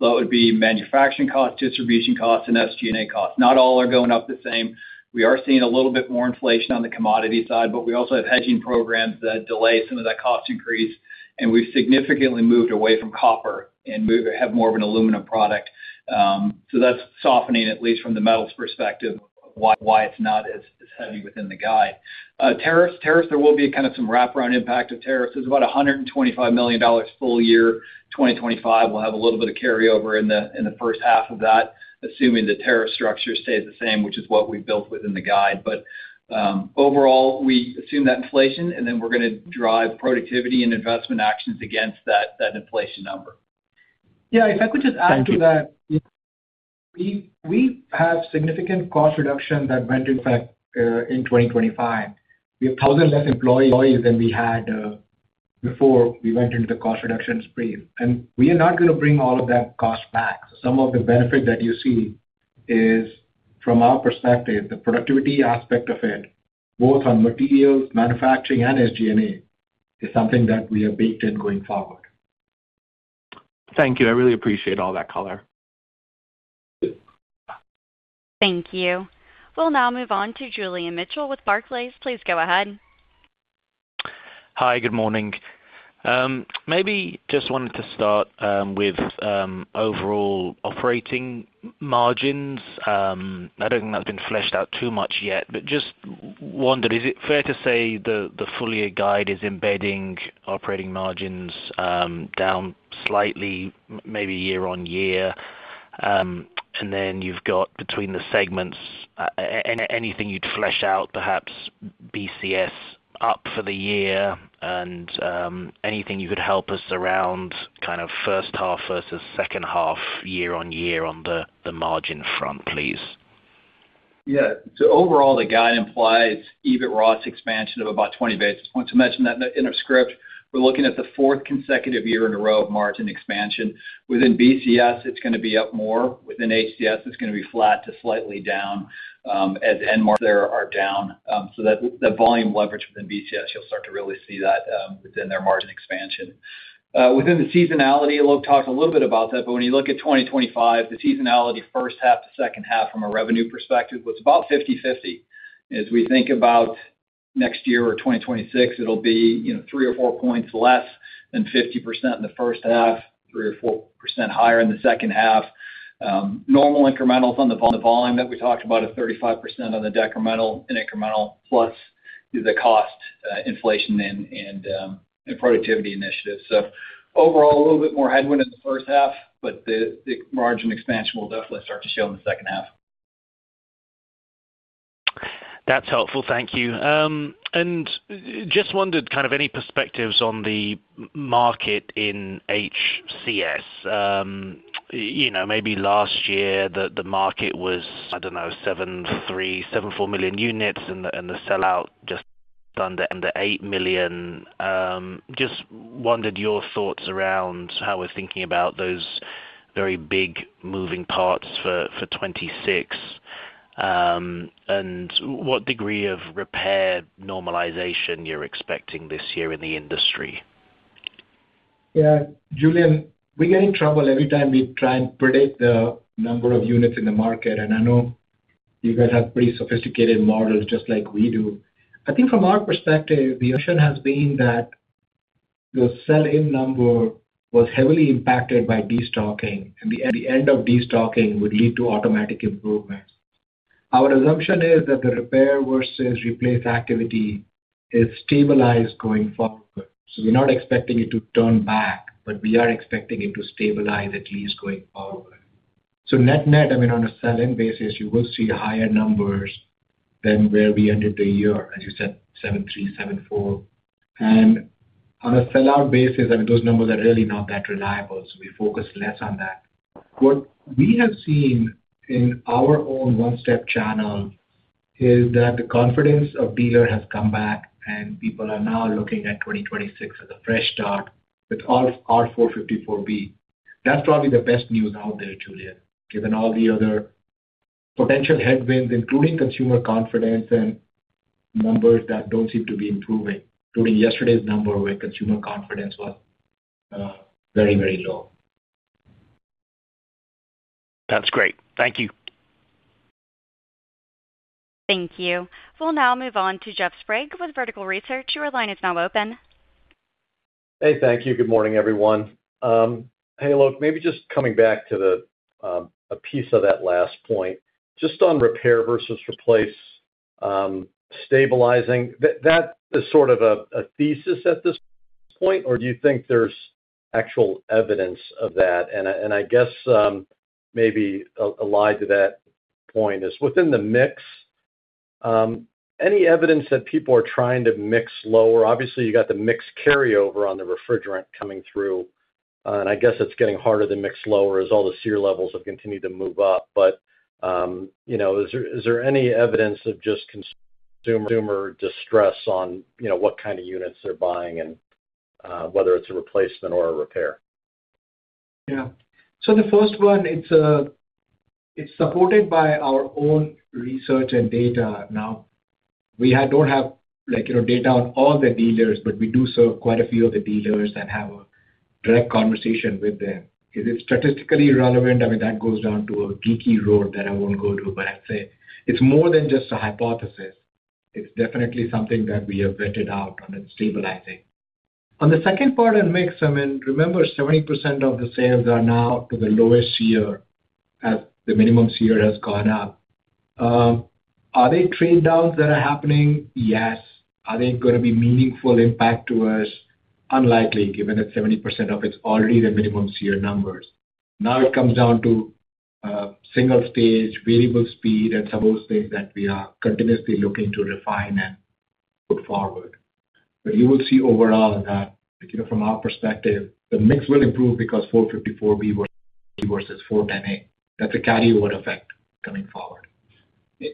So it would be manufacturing costs, distribution costs, and SG&A costs. Not all are going up the same. We are seeing a little bit more inflation on the commodity side, but we also have hedging programs that delay some of that cost increase, and we've significantly moved away from copper and have more of an aluminum product. So that's softening, at least from the metals perspective, why it's not as heavy within the guide. Tariffs, tariffs, there will be kind of some wraparound impact of tariffs. There's about $125 million full year. 2025 will have a little bit of carryover in the first half of that, assuming the tariff structure stays the same, which is what we've built within the guide. But, overall, we assume that inflation, and then we're gonna drive productivity and investment actions against that inflation number. Yeah, if I could just add to that. Thank you. We, we have significant cost reduction that went in effect in 2025. We have 1,000 less employees than we had before we went into the cost reduction spree, and we are not gonna bring all of that cost back. Some of the benefit that you see is, from our perspective, the productivity aspect of it, both on materials, manufacturing, and SG&A, is something that we have baked in going forward. Thank you. I really appreciate all that color. Thank you. Thank you. We'll now move on to Julian Mitchell with Barclays. Please go ahead. Hi, good morning. Maybe just wanted to start with overall operating margins. I don't think that's been fleshed out too much yet, but just wondered, is it fair to say the full year guide is embedding operating margins down slightly, maybe year-over-year? And then you've got between the segments, any, anything you'd flesh out, perhaps BCS up for the year, and anything you could help us around, kind of, first half versus second half year-over-year on the margin front, please? Yeah. So overall, the guide implies EBIT ROS expansion of about 20 basis points. I want to mention that in our script, we're looking at the fourth consecutive year in a row of margin expansion. Within BCS, it's gonna be up more. Within HCS, it's gonna be flat to slightly down, as end markets there are down. So that volume leverage within BCS, you'll start to really see that, within their margin expansion. Within the seasonality, Alok talked a little bit about that, but when you look at 2025, the seasonality first half to second half from a revenue perspective was about 50/50. As we think about next year or 2026, it'll be, you know, three or four points less than 50% in the first half, 3% or 4% higher in the second half. Normal incrementals on the volume that we talked about is 35% on the decremental and incremental, plus the cost, inflation and productivity initiatives. So overall, a little bit more headwind in the first half, but the margin expansion will definitely start to show in the second half. That's helpful. Thank you. And just wondered, kind of, any perspectives on the market in HCS. You know, maybe last year the market was, I don't know, 7.3 million-7.4 million units, and the sellout just under 8 million. Just wondered your thoughts around how we're thinking about those very big moving parts for 2026, and what degree of repair normalization you're expecting this year in the industry? Yeah, Julian, we get in trouble every time we try and predict the number of units in the market, and I know you guys have pretty sophisticated models, just like we do. I think from our perspective, the option has been that the sell-in number was heavily impacted by destocking, and the end of destocking would lead to automatic improvements. Our assumption is that the repair versus replace activity is stabilized going forward. So we're not expecting it to turn back, but we are expecting it to stabilize, at least going forward. So net-net, I mean, on a sell-in basis, you will see higher numbers than where we ended the year, as you said, 73, 74. And on a sell-out basis, I mean, those numbers are really not that reliable, so we focus less on that. What we have seen in our own one-step channel is that the confidence of dealer has come back, and people are now looking at 2026 as a fresh start with all R-454B. That's probably the best news out there, Julian, given all the other potential headwinds, including consumer confidence and numbers that don't seem to be improving, including yesterday's number, where consumer confidence was very, very low. That's great. Thank you. Thank you. We'll now move on to Jeff Sprague, with Vertical Research. Your line is now open. Hey, thank you. Good morning, everyone. Hey, look, maybe just coming back to a piece of that last point. Just on repair versus replace stabilizing. That is sort of a thesis at this point, or do you think there's actual evidence of that? And I guess, maybe allied to that point is, within the mix, any evidence that people are trying to mix lower? Obviously, you got the mix carryover on the refrigerant coming through, and I guess it's getting harder to mix lower as all the SEER levels have continued to move up. But you know, is there any evidence of just consumer distress on you know, what kind of units they're buying and whether it's a replacement or a repair? Yeah. So the first one, it's a—it's supported by our own research and data. Now, we don't have, like, you know, data on all the dealers, but we do serve quite a few of the dealers and have a direct conversation with them. Is it statistically relevant? I mean, that goes down to a geeky road that I won't go to, but I'd say it's more than just a hypothesis. It's definitely something that we have vetted out, and it's stabilizing. On the second part on mix, I mean, remember, 70% of the sales are now to the lowest SEER, as the minimum SEER has gone up. Are they trade downs that are happening? Yes. Are they gonna be meaningful impact to us? Unlikely, given that 70% of it's already the minimum SEER numbers. Now, it comes down to single stage, variable speed, and some of those things that we are continuously looking to refine and put forward. But you will see overall that, you know, from our perspective, the mix will improve because R-454B versus R-410A, that's a carryover effect coming forward.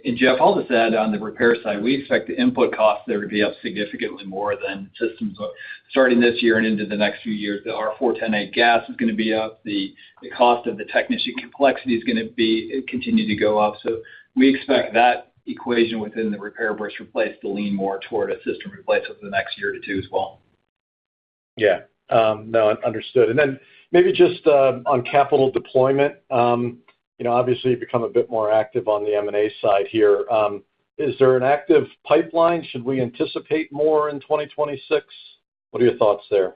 And, Jeff, I'll just add on the repair side, we expect the input costs there to be up significantly more than systems are. Starting this year and into the next few years, the R-410A gas is gonna be up, the cost of the technician complexity is gonna be continue to go up. So we expect that equation within the repair versus replace to lean more toward a system replace over the next year or two as well. Yeah. understood. And then maybe just on capital deployment, you know, obviously, you've become a bit more active on the M&A side here. Is there an active pipeline? Should we anticipate more in 2026? What are your thoughts there?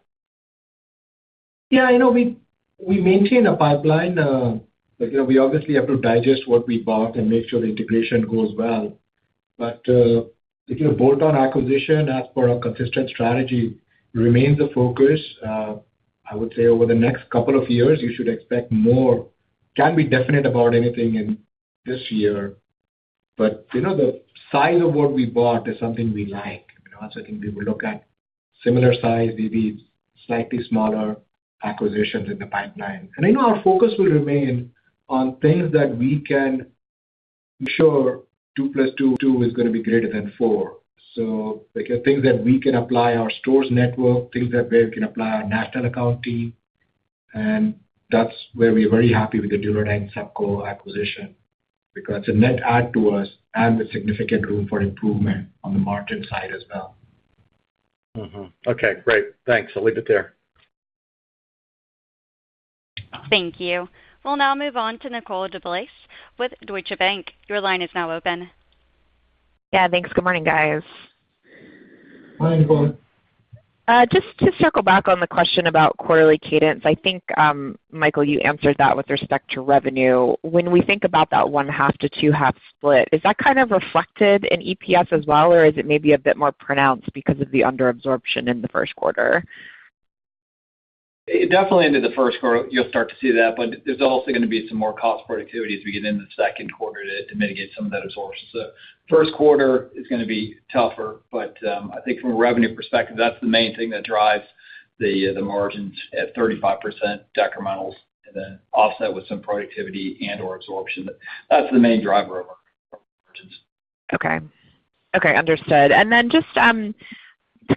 Yeah, you know, we maintain a pipeline. But, you know, we obviously have to digest what we bought and make sure the integration goes well. But, if you know, bolt-on acquisition, as per our consistent strategy, remains a focus. I would say over the next couple of years, you should expect more. Can't be definite about anything in this year, but, you know, the size of what we bought is something we like. You know, I think we will look at similar size, maybe slightly smaller acquisitions in the pipeline. And I know our focus will remain on things that we can ensure 2 + 2, 2 is gonna be greater than 4. Like, things that we can apply our stores network, things that we can apply our national account team, and that's where we're very happy with the Duro Dyne/Supco acquisition, because it's a net add to us and with significant room for improvement on the margin side as well. Mm-hmm. Okay, great. Thanks. I'll leave it there. Thank you. We'll now move on to Nicole DeBlase with Deutsche Bank. Your line is now open. Yeah, thanks. Good morning, guys. Morning, Nicole. Just to circle back on the question about quarterly cadence, I think, Michael, you answered that with respect to revenue. When we think about that first half to second half split, is that kind of reflected in EPS as well, or is it maybe a bit more pronounced because of the under absorption in the first quarter? It definitely into the first quarter, you'll start to see that, but there's also gonna be some more cost productivity as we get into the second quarter to, to mitigate some of that absorption. So first quarter is gonna be tougher, but, I think from a revenue perspective, that's the main thing that drives the, the margins at 35% decrementals, and then offset with some productivity and/or absorption. But that's the main driver over margins. Okay. Okay, understood. And then just,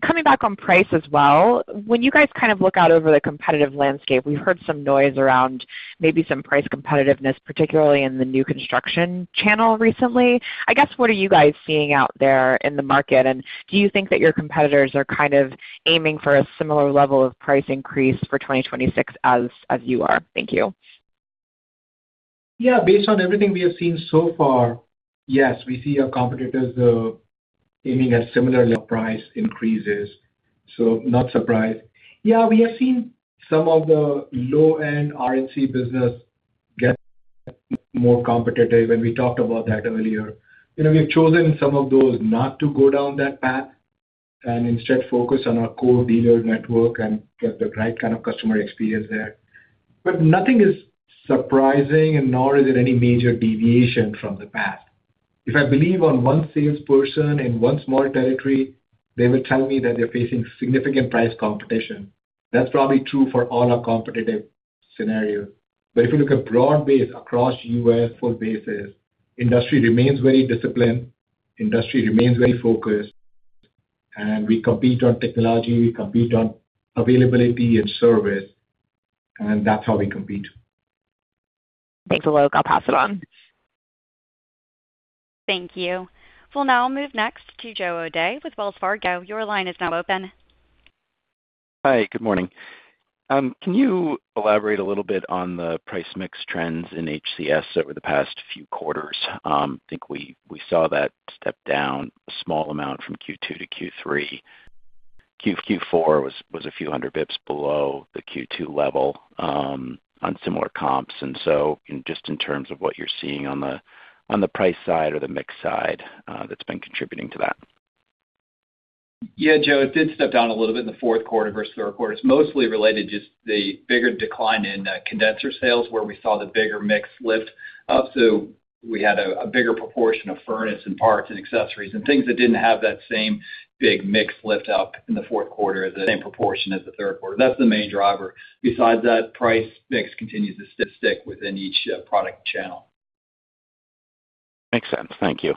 coming back on price as well. When you guys kind of look out over the competitive landscape, we've heard some noise around maybe some price competitiveness, particularly in the new construction channel recently.... I guess, what are you guys seeing out there in the market? Do you think that your competitors are kind of aiming for a similar level of price increase for 2026 as, as you are? Thank you. Yeah. Based on everything we have seen so far, yes, we see our competitors aiming at similar price increases, so not surprised. Yeah, we have seen some of the low-end RNC business get more competitive, and we talked about that earlier. You know, we've chosen some of those not to go down that path and instead focus on our core dealer network and get the right kind of customer experience there. But nothing is surprising and nor is it any major deviation from the past. If I believe on one salesperson in one small territory, they will tell me that they're facing significant price competition. That's probably true for all our competitive scenario. But if you look at broad-based across U.S. full basis, industry remains very disciplined, industry remains very focused, and we compete on technology, we compete on availability and service, and that's how we compete. Thanks, Alok. I'll pass it on. Thank you. We'll now move next to Joe O'Dea with Wells Fargo. Your line is now open. Hi, good morning. Can you elaborate a little bit on the price mix trends in HCS over the past few quarters? I think we saw that step down a small amount from Q2 to Q3. Q4 was a few hundred basis points below the Q2 level on similar comps. And so just in terms of what you're seeing on the price side or the mix side, that's been contributing to that. Yeah, Joe, it did step down a little bit in the fourth quarter versus the third quarter. It's mostly related just the bigger decline in, condenser sales, where we saw the bigger mix lift up. So we had a bigger proportion of furnace and parts and accessories and things that didn't have that same big mix lift up in the fourth quarter, the same proportion as the third quarter. That's the main driver. Besides that, price mix continues to stick within each product channel. Makes sense. Thank you.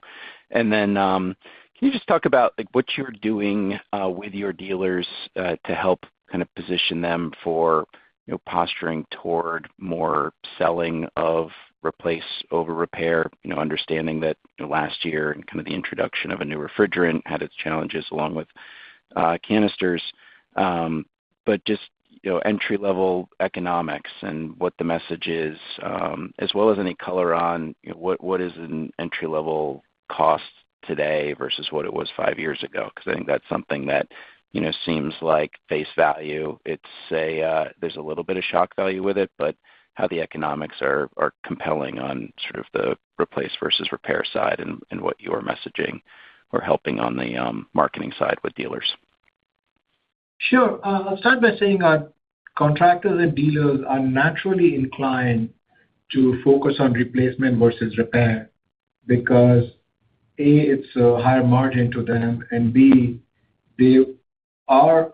And then, can you just talk about, like, what you're doing with your dealers to help kind of position them for, you know, posturing toward more selling of replace over repair? You know, understanding that the last year and kind of the introduction of a new refrigerant had its challenges, along with canisters. But just, you know, entry-level economics and what the message is, as well as any color on what is an entry-level cost today versus what it was five years ago. Because I think that's something that, you know, seems like face value. It's a, there's a little bit of shock value with it, but how the economics are compelling on sort of the replace versus repair side and what you're messaging or helping on the marketing side with dealers. Sure. I'll start by saying our contractors and dealers are naturally inclined to focus on replacement versus repair because, A, it's a higher margin to them, and B, they are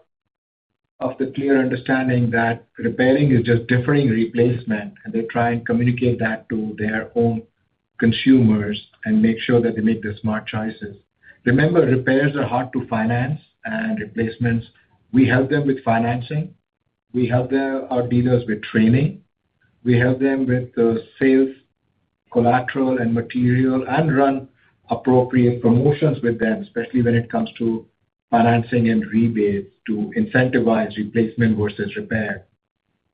of the clear understanding that repairing is just deferring replacement, and they try and communicate that to their own consumers and make sure that they make the smart choices. Remember, repairs are hard to finance and replacements. We help them with financing. We help them, our dealers, with training. We help them with the sales collateral and material, and run appropriate promotions with them, especially when it comes to financing and rebates to incentivize replacement versus repair.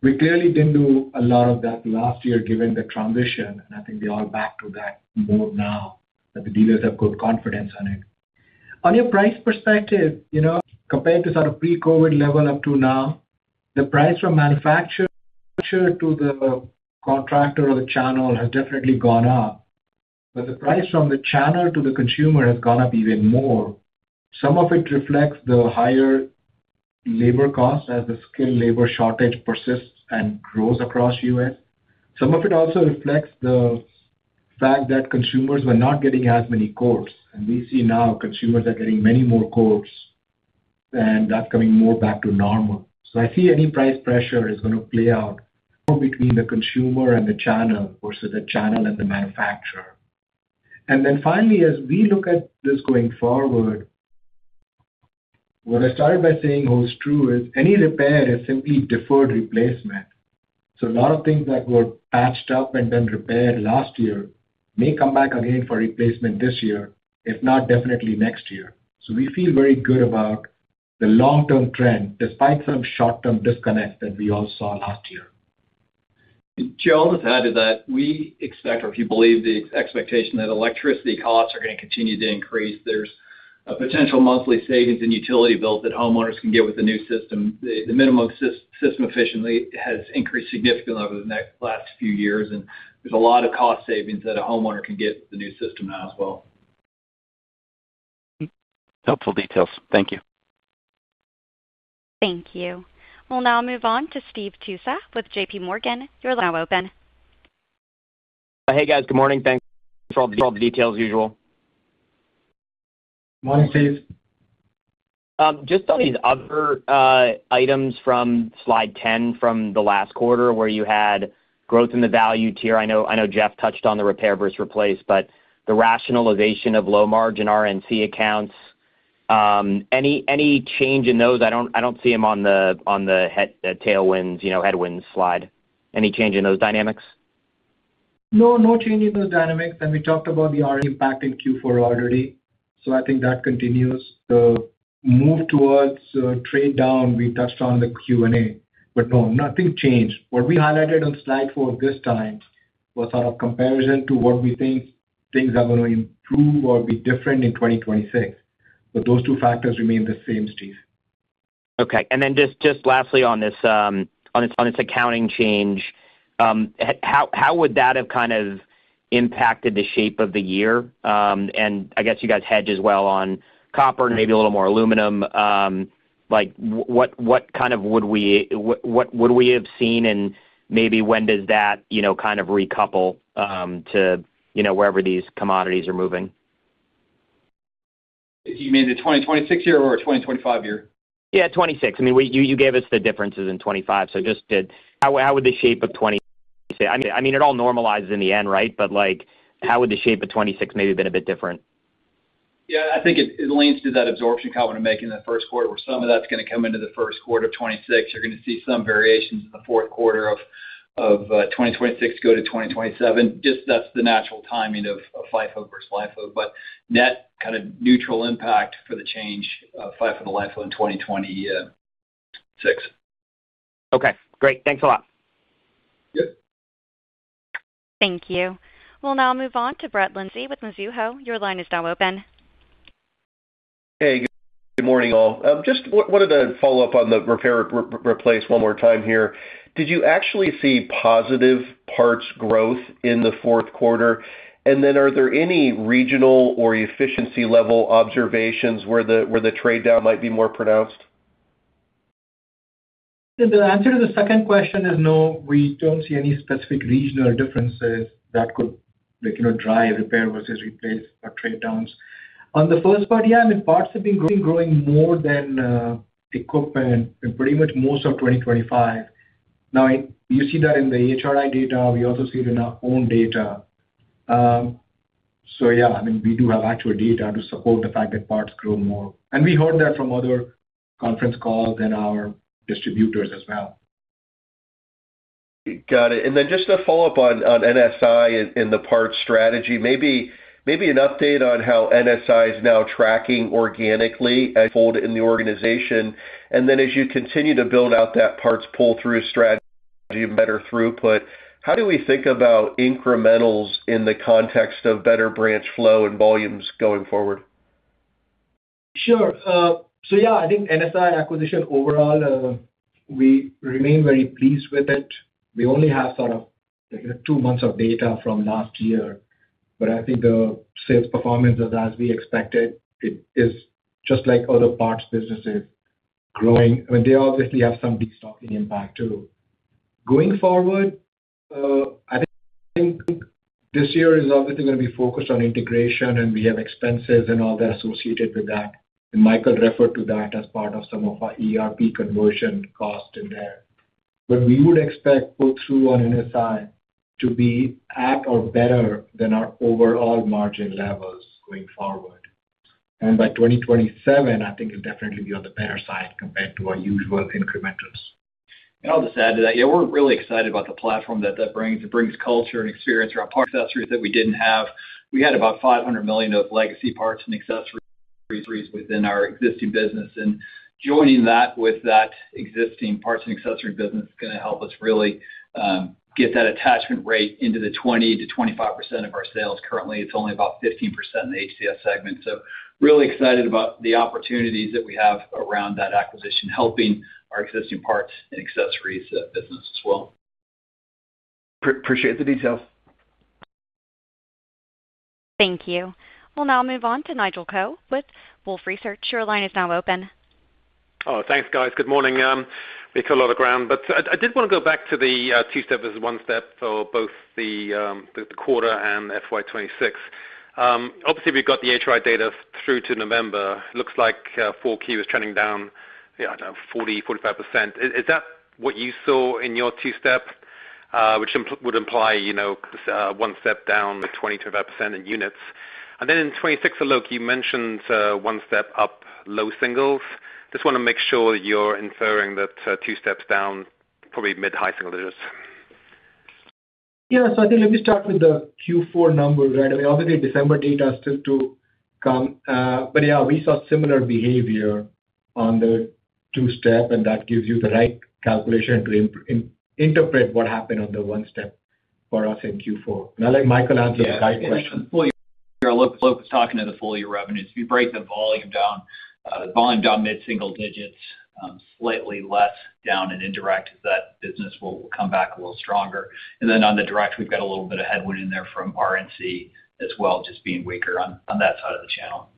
We clearly didn't do a lot of that last year, given the transition, and I think we are back to that mode now that the dealers have good confidence on it. On your price perspective, you know, compared to sort of pre-COVID level up to now, the price from manufacturer to the contractor or the channel has definitely gone up, but the price from the channel to the consumer has gone up even more. Some of it reflects the higher labor costs as the skilled labor shortage persists and grows across U.S. Some of it also reflects the fact that consumers were not getting as many quotes, and we see now consumers are getting many more quotes, and that's coming more back to normal. So I see any price pressure is going to play out between the consumer and the channel versus the channel and the manufacturer. And then finally, as we look at this going forward, what I started by saying holds true is any repair is simply deferred replacement. A lot of things that were patched up and then repaired last year may come back again for replacement this year, if not definitely next year. We feel very good about the long-term trend, despite some short-term disconnects that we all saw last year. Joe, I'll just add to that. We expect, or if you believe the expectation that electricity costs are going to continue to increase, there's a potential monthly savings in utility bills that homeowners can get with the new system. The minimum system efficiency has increased significantly over the last few years, and there's a lot of cost savings that a homeowner can get with the new system now as well. Helpful details. Thank you. Thank you. We'll now move on to Steve Tusa with JP Morgan. You're now open. Hey, guys. Good morning. Thanks for all the details, usual. Morning, Steve. Just on these other items from slide 10 from the last quarter, where you had growth in the value tier. I know, I know Jeff touched on the repair versus replace, but the rationalization of low-margin RNC accounts- ... Any change in those? I don't see them on the tailwinds, you know, headwinds slide. Any change in those dynamics? No, no change in those dynamics. We talked about the impact in Q4 already, so I think that continues. The move towards trade down, we touched on the Q&A, but no, nothing changed. What we highlighted on slide four this time was out of comparison to what we think things are going to improve or be different in 2026. Those two factors remain the same, Steve. Okay. And then just lastly on this accounting change, how would that have kind of impacted the shape of the year? And I guess you guys hedge as well on copper and maybe a little more aluminum, like what kind of would we have seen? And maybe when does that, you know, kind of recouple to, you know, wherever these commodities are moving? You mean the 2026 year or a 2025 year? Yeah, 2026. I mean, we, you, you gave us the differences in 2025, so just, how, how would the shape of 2026? I mean, I mean, it all normalizes in the end, right? But like, how would the shape of 2026 maybe been a bit different? Yeah, I think it leans to that absorption comment I'm making in the first quarter, where some of that's going to come into the first quarter of 2026. You're going to see some variations in the fourth quarter of 2026 go to 2027. Just that's the natural timing of FIFO versus LIFO. But net, kind of neutral impact for the change, FIFO and the LIFO in 2026. Okay, great. Thanks a lot. Yep. Thank you. We'll now move on to Brett Linzey with Mizuho. Your line is now open. Hey, good morning, all. Just one, wanted to follow up on the repair/replace one more time here. Did you actually see positive parts growth in the fourth quarter? And then are there any regional or efficiency level observations where the, where the trade down might be more pronounced? The answer to the second question is no, we don't see any specific regional differences that could, like, you know, drive repair versus replace or trade downs. On the first part, yeah, I mean, parts have been growing, growing more than equipment in pretty much most of 2025. Now, you see that in the AHRI data. We also see it in our own data. So yeah, I mean, we do have actual data to support the fact that parts grow more, and we heard that from other conference calls and our distributors as well. Got it. And then just to follow up on NSI and the parts strategy, maybe an update on how NSI is now tracking organically as a whole in the organization. And then as you continue to build out that parts pull-through strategy, better throughput, how do we think about incrementals in the context of better branch flow and volumes going forward? Sure. So yeah, I think NSI acquisition overall, we remain very pleased with it. We only have sort of two months of data from last year, but I think the sales performance is as we expected. It is just like other parts businesses growing. I mean, they obviously have some destocking impact, too. Going forward, I think this year is obviously going to be focused on integration, and we have expenses and all that associated with that. And Michael referred to that as part of some of our ERP conversion cost in there. But we would expect pull-through on NSI to be at or better than our overall margin levels going forward. And by 2027, I think it'll definitely be on the better side compared to our usual incrementals. I'll just add to that. Yeah, we're really excited about the platform that that brings. It brings culture and experience around parts and accessories that we didn't have. We had about $500 million of legacy parts and accessories within our existing business, and joining that with that existing parts and accessory business is going to help us really get that attachment rate into the 20%-25% of our sales. Currently, it's only about 15% in the HCS segment. So really excited about the opportunities that we have around that acquisition, helping our existing parts and accessories business as well. Appreciate the details. Thank you. We'll now move on to Nigel Coe with Wolfe Research. Your line is now open. Oh, thanks, guys. Good morning. Make a lot of ground, but I did want to go back to the two-step and one-step for both the quarter and FY 2026. Obviously, we've got the AHRI data through to November. Looks like Q4 is trending down, yeah, 40%-45%. Is that what you saw in your two-step? Which would imply, you know, one-step down, like 20%-5% in units. And then in 2026, Alok, you mentioned one-step up, low singles. Just want to make sure you're inferring that two-step down, probably mid-high singles. Yeah. So I think let me start with the Q4 numbers, right? I mean, obviously, December data is still to come. But yeah, we saw similar behavior on the two-step, and that gives you the right calculation to interpret what happened on the one-step for us in Q4. And I'll let Michael answer the guide question. Yeah, Alok, Alok is talking to the full year revenues. If you break the volume down, the volume down mid-single digits, slightly less down and indirect, that business will come back a little stronger. And then on the direct, we've got a little bit of headwind in there from RNC as well, just being weaker on, on that side of the channel.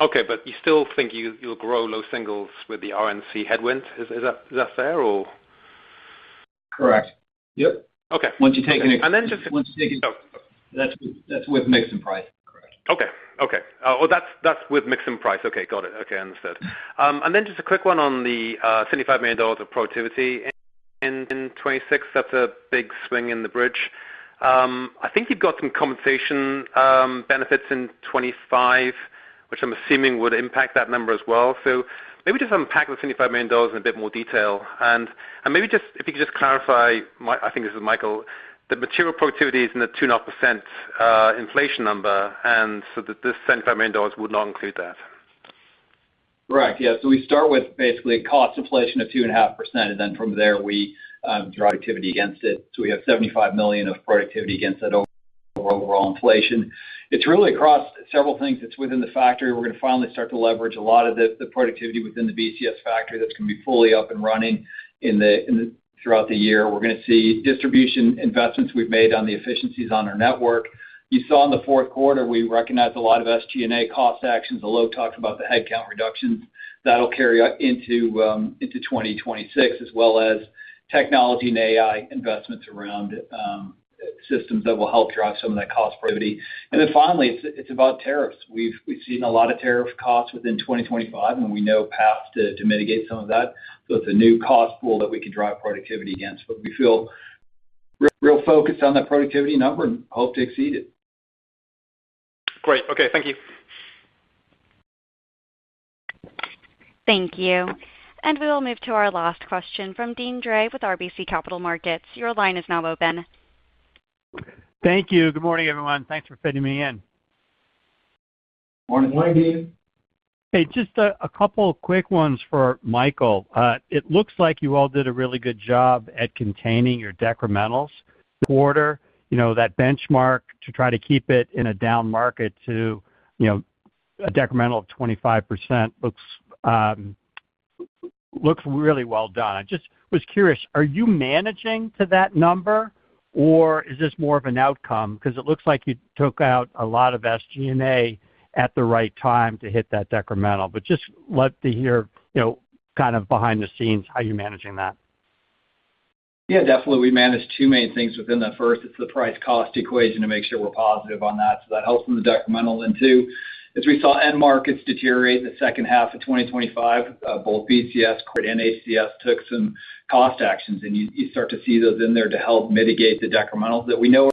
Okay, but you still think you'll grow low singles with the RNC headwind? Is that fair, or? Correct. Yep. Okay. Once you take- And then just- Once you take it. That's, that's with mix and price. Correct. Okay. Okay. Oh, that's, that's with mix and price. Okay, got it. Okay, understood. And then just a quick one on the $75 million of productivity in 2026, that's a big swing in the bridge. I think you've got some compensation benefits in 2025, which I'm assuming would impact that number as well. So maybe just unpack the $75 million in a bit more detail. And maybe just if you could just clarify, I think this is Michael, the material productivity is in the 2.5% inflation number, and so that this $75 million would not include that? Right. Yeah. So we start with basically a cost inflation of 2.5%, and then from there, we drive productivity against it. So we have $75 million of productivity against that overall inflation. It's really across several things. It's within the factory. We're gonna finally start to leverage a lot of the productivity within the BCS factory that's gonna be fully up and running throughout the year. We're gonna see distribution investments we've made on the efficiencies on our network. You saw in the fourth quarter, we recognized a lot of SG&A cost actions. Alok talked about the headcount reductions. That'll carry out into 2026, as well as technology and AI investments around systems that will help drive some of that cost productivity. And then finally, it's about tariffs. We've seen a lot of tariff costs within 2025, and we know paths to mitigate some of that. So it's a new cost pool that we can drive productivity against. But we feel really focused on that productivity number and hope to exceed it. Great. Okay. Thank you. Thank you. We'll move to our last question from Deane Dray with RBC Capital Markets. Your line is now open. Thank you. Good morning, everyone. Thanks for fitting me in. Morning, Deane. Hey, just a couple quick ones for Michael. It looks like you all did a really good job at containing your decrementals quarter. You know, that benchmark to try to keep it in a down market to, you know, a decremental of 25% looks really well done. I just was curious, are you managing to that number, or is this more of an outcome? Because it looks like you took out a lot of SG&A at the right time to hit that decremental. But just love to hear, you know, kind of behind the scenes, how you're managing that. Yeah, definitely. We managed two main things within that. First, it's the price cost equation to make sure we're positive on that, so that helps from the decremental. And two, as we saw end markets deteriorate in the second half of 2025, both HCS and BCS took some cost actions, and you start to see those in there to help mitigate the decrementals that we know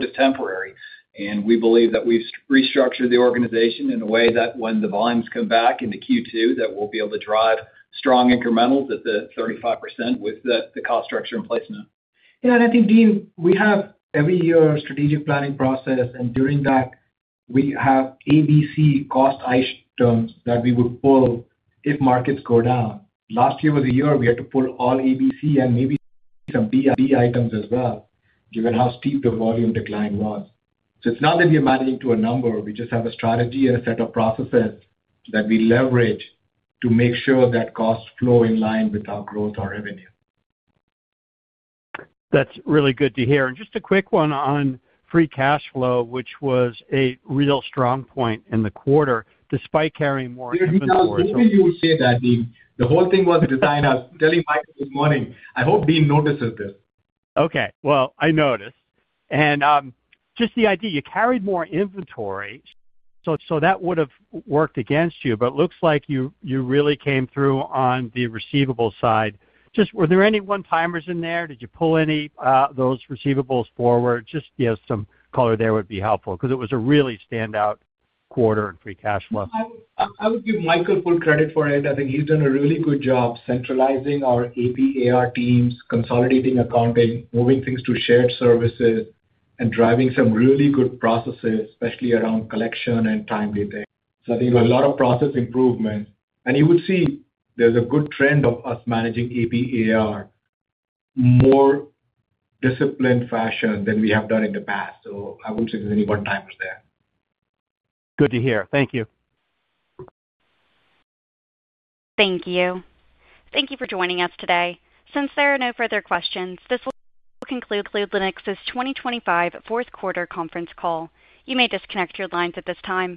is temporary. And we believe that we've restructured the organization in a way that when the volumes come back into Q2, that we'll be able to drive strong incrementals at the 35% with the cost structure in place now. Yeah, and I think, Deane, we have every year a strategic planning process, and during that, we have ABC cost items that we would pull if markets go down. Last year was a year we had to pull all ABC and maybe some BID items as well, given how steep the volume decline was. So it's not that we are managing to a number, we just have a strategy and a set of processes that we leverage to make sure that costs flow in line with our growth or revenue. That's really good to hear. Just a quick one on free cash flow, which was a real strong point in the quarter, despite carrying more inventory- I knew you would say that, Deane. The whole thing was designed. I was telling Michael this morning, "I hope Deane notices this. Okay. Well, I noticed. And just the idea, you carried more inventory, so that would've worked against you, but looks like you really came through on the receivable side. Just, were there any one-timers in there? Did you pull any those receivables forward? Just, you know, some color there would be helpful, 'cause it was a really standout quarter in free cash flow. I would give Michael full credit for it. I think he's done a really good job centralizing our AP/AR teams, consolidating accounting, moving things to shared services, and driving some really good processes, especially around collection and timely pay. So I think a lot of process improvements, and you would see there's a good trend of us managing AP/AR, more disciplined fashion than we have done in the past. So I wouldn't say there's any one-timers there. Good to hear. Thank you. Thank you. Thank you for joining us today. Since there are no further questions, this will conclude Lennox's 2025 fourth quarter conference call. You may disconnect your lines at this time.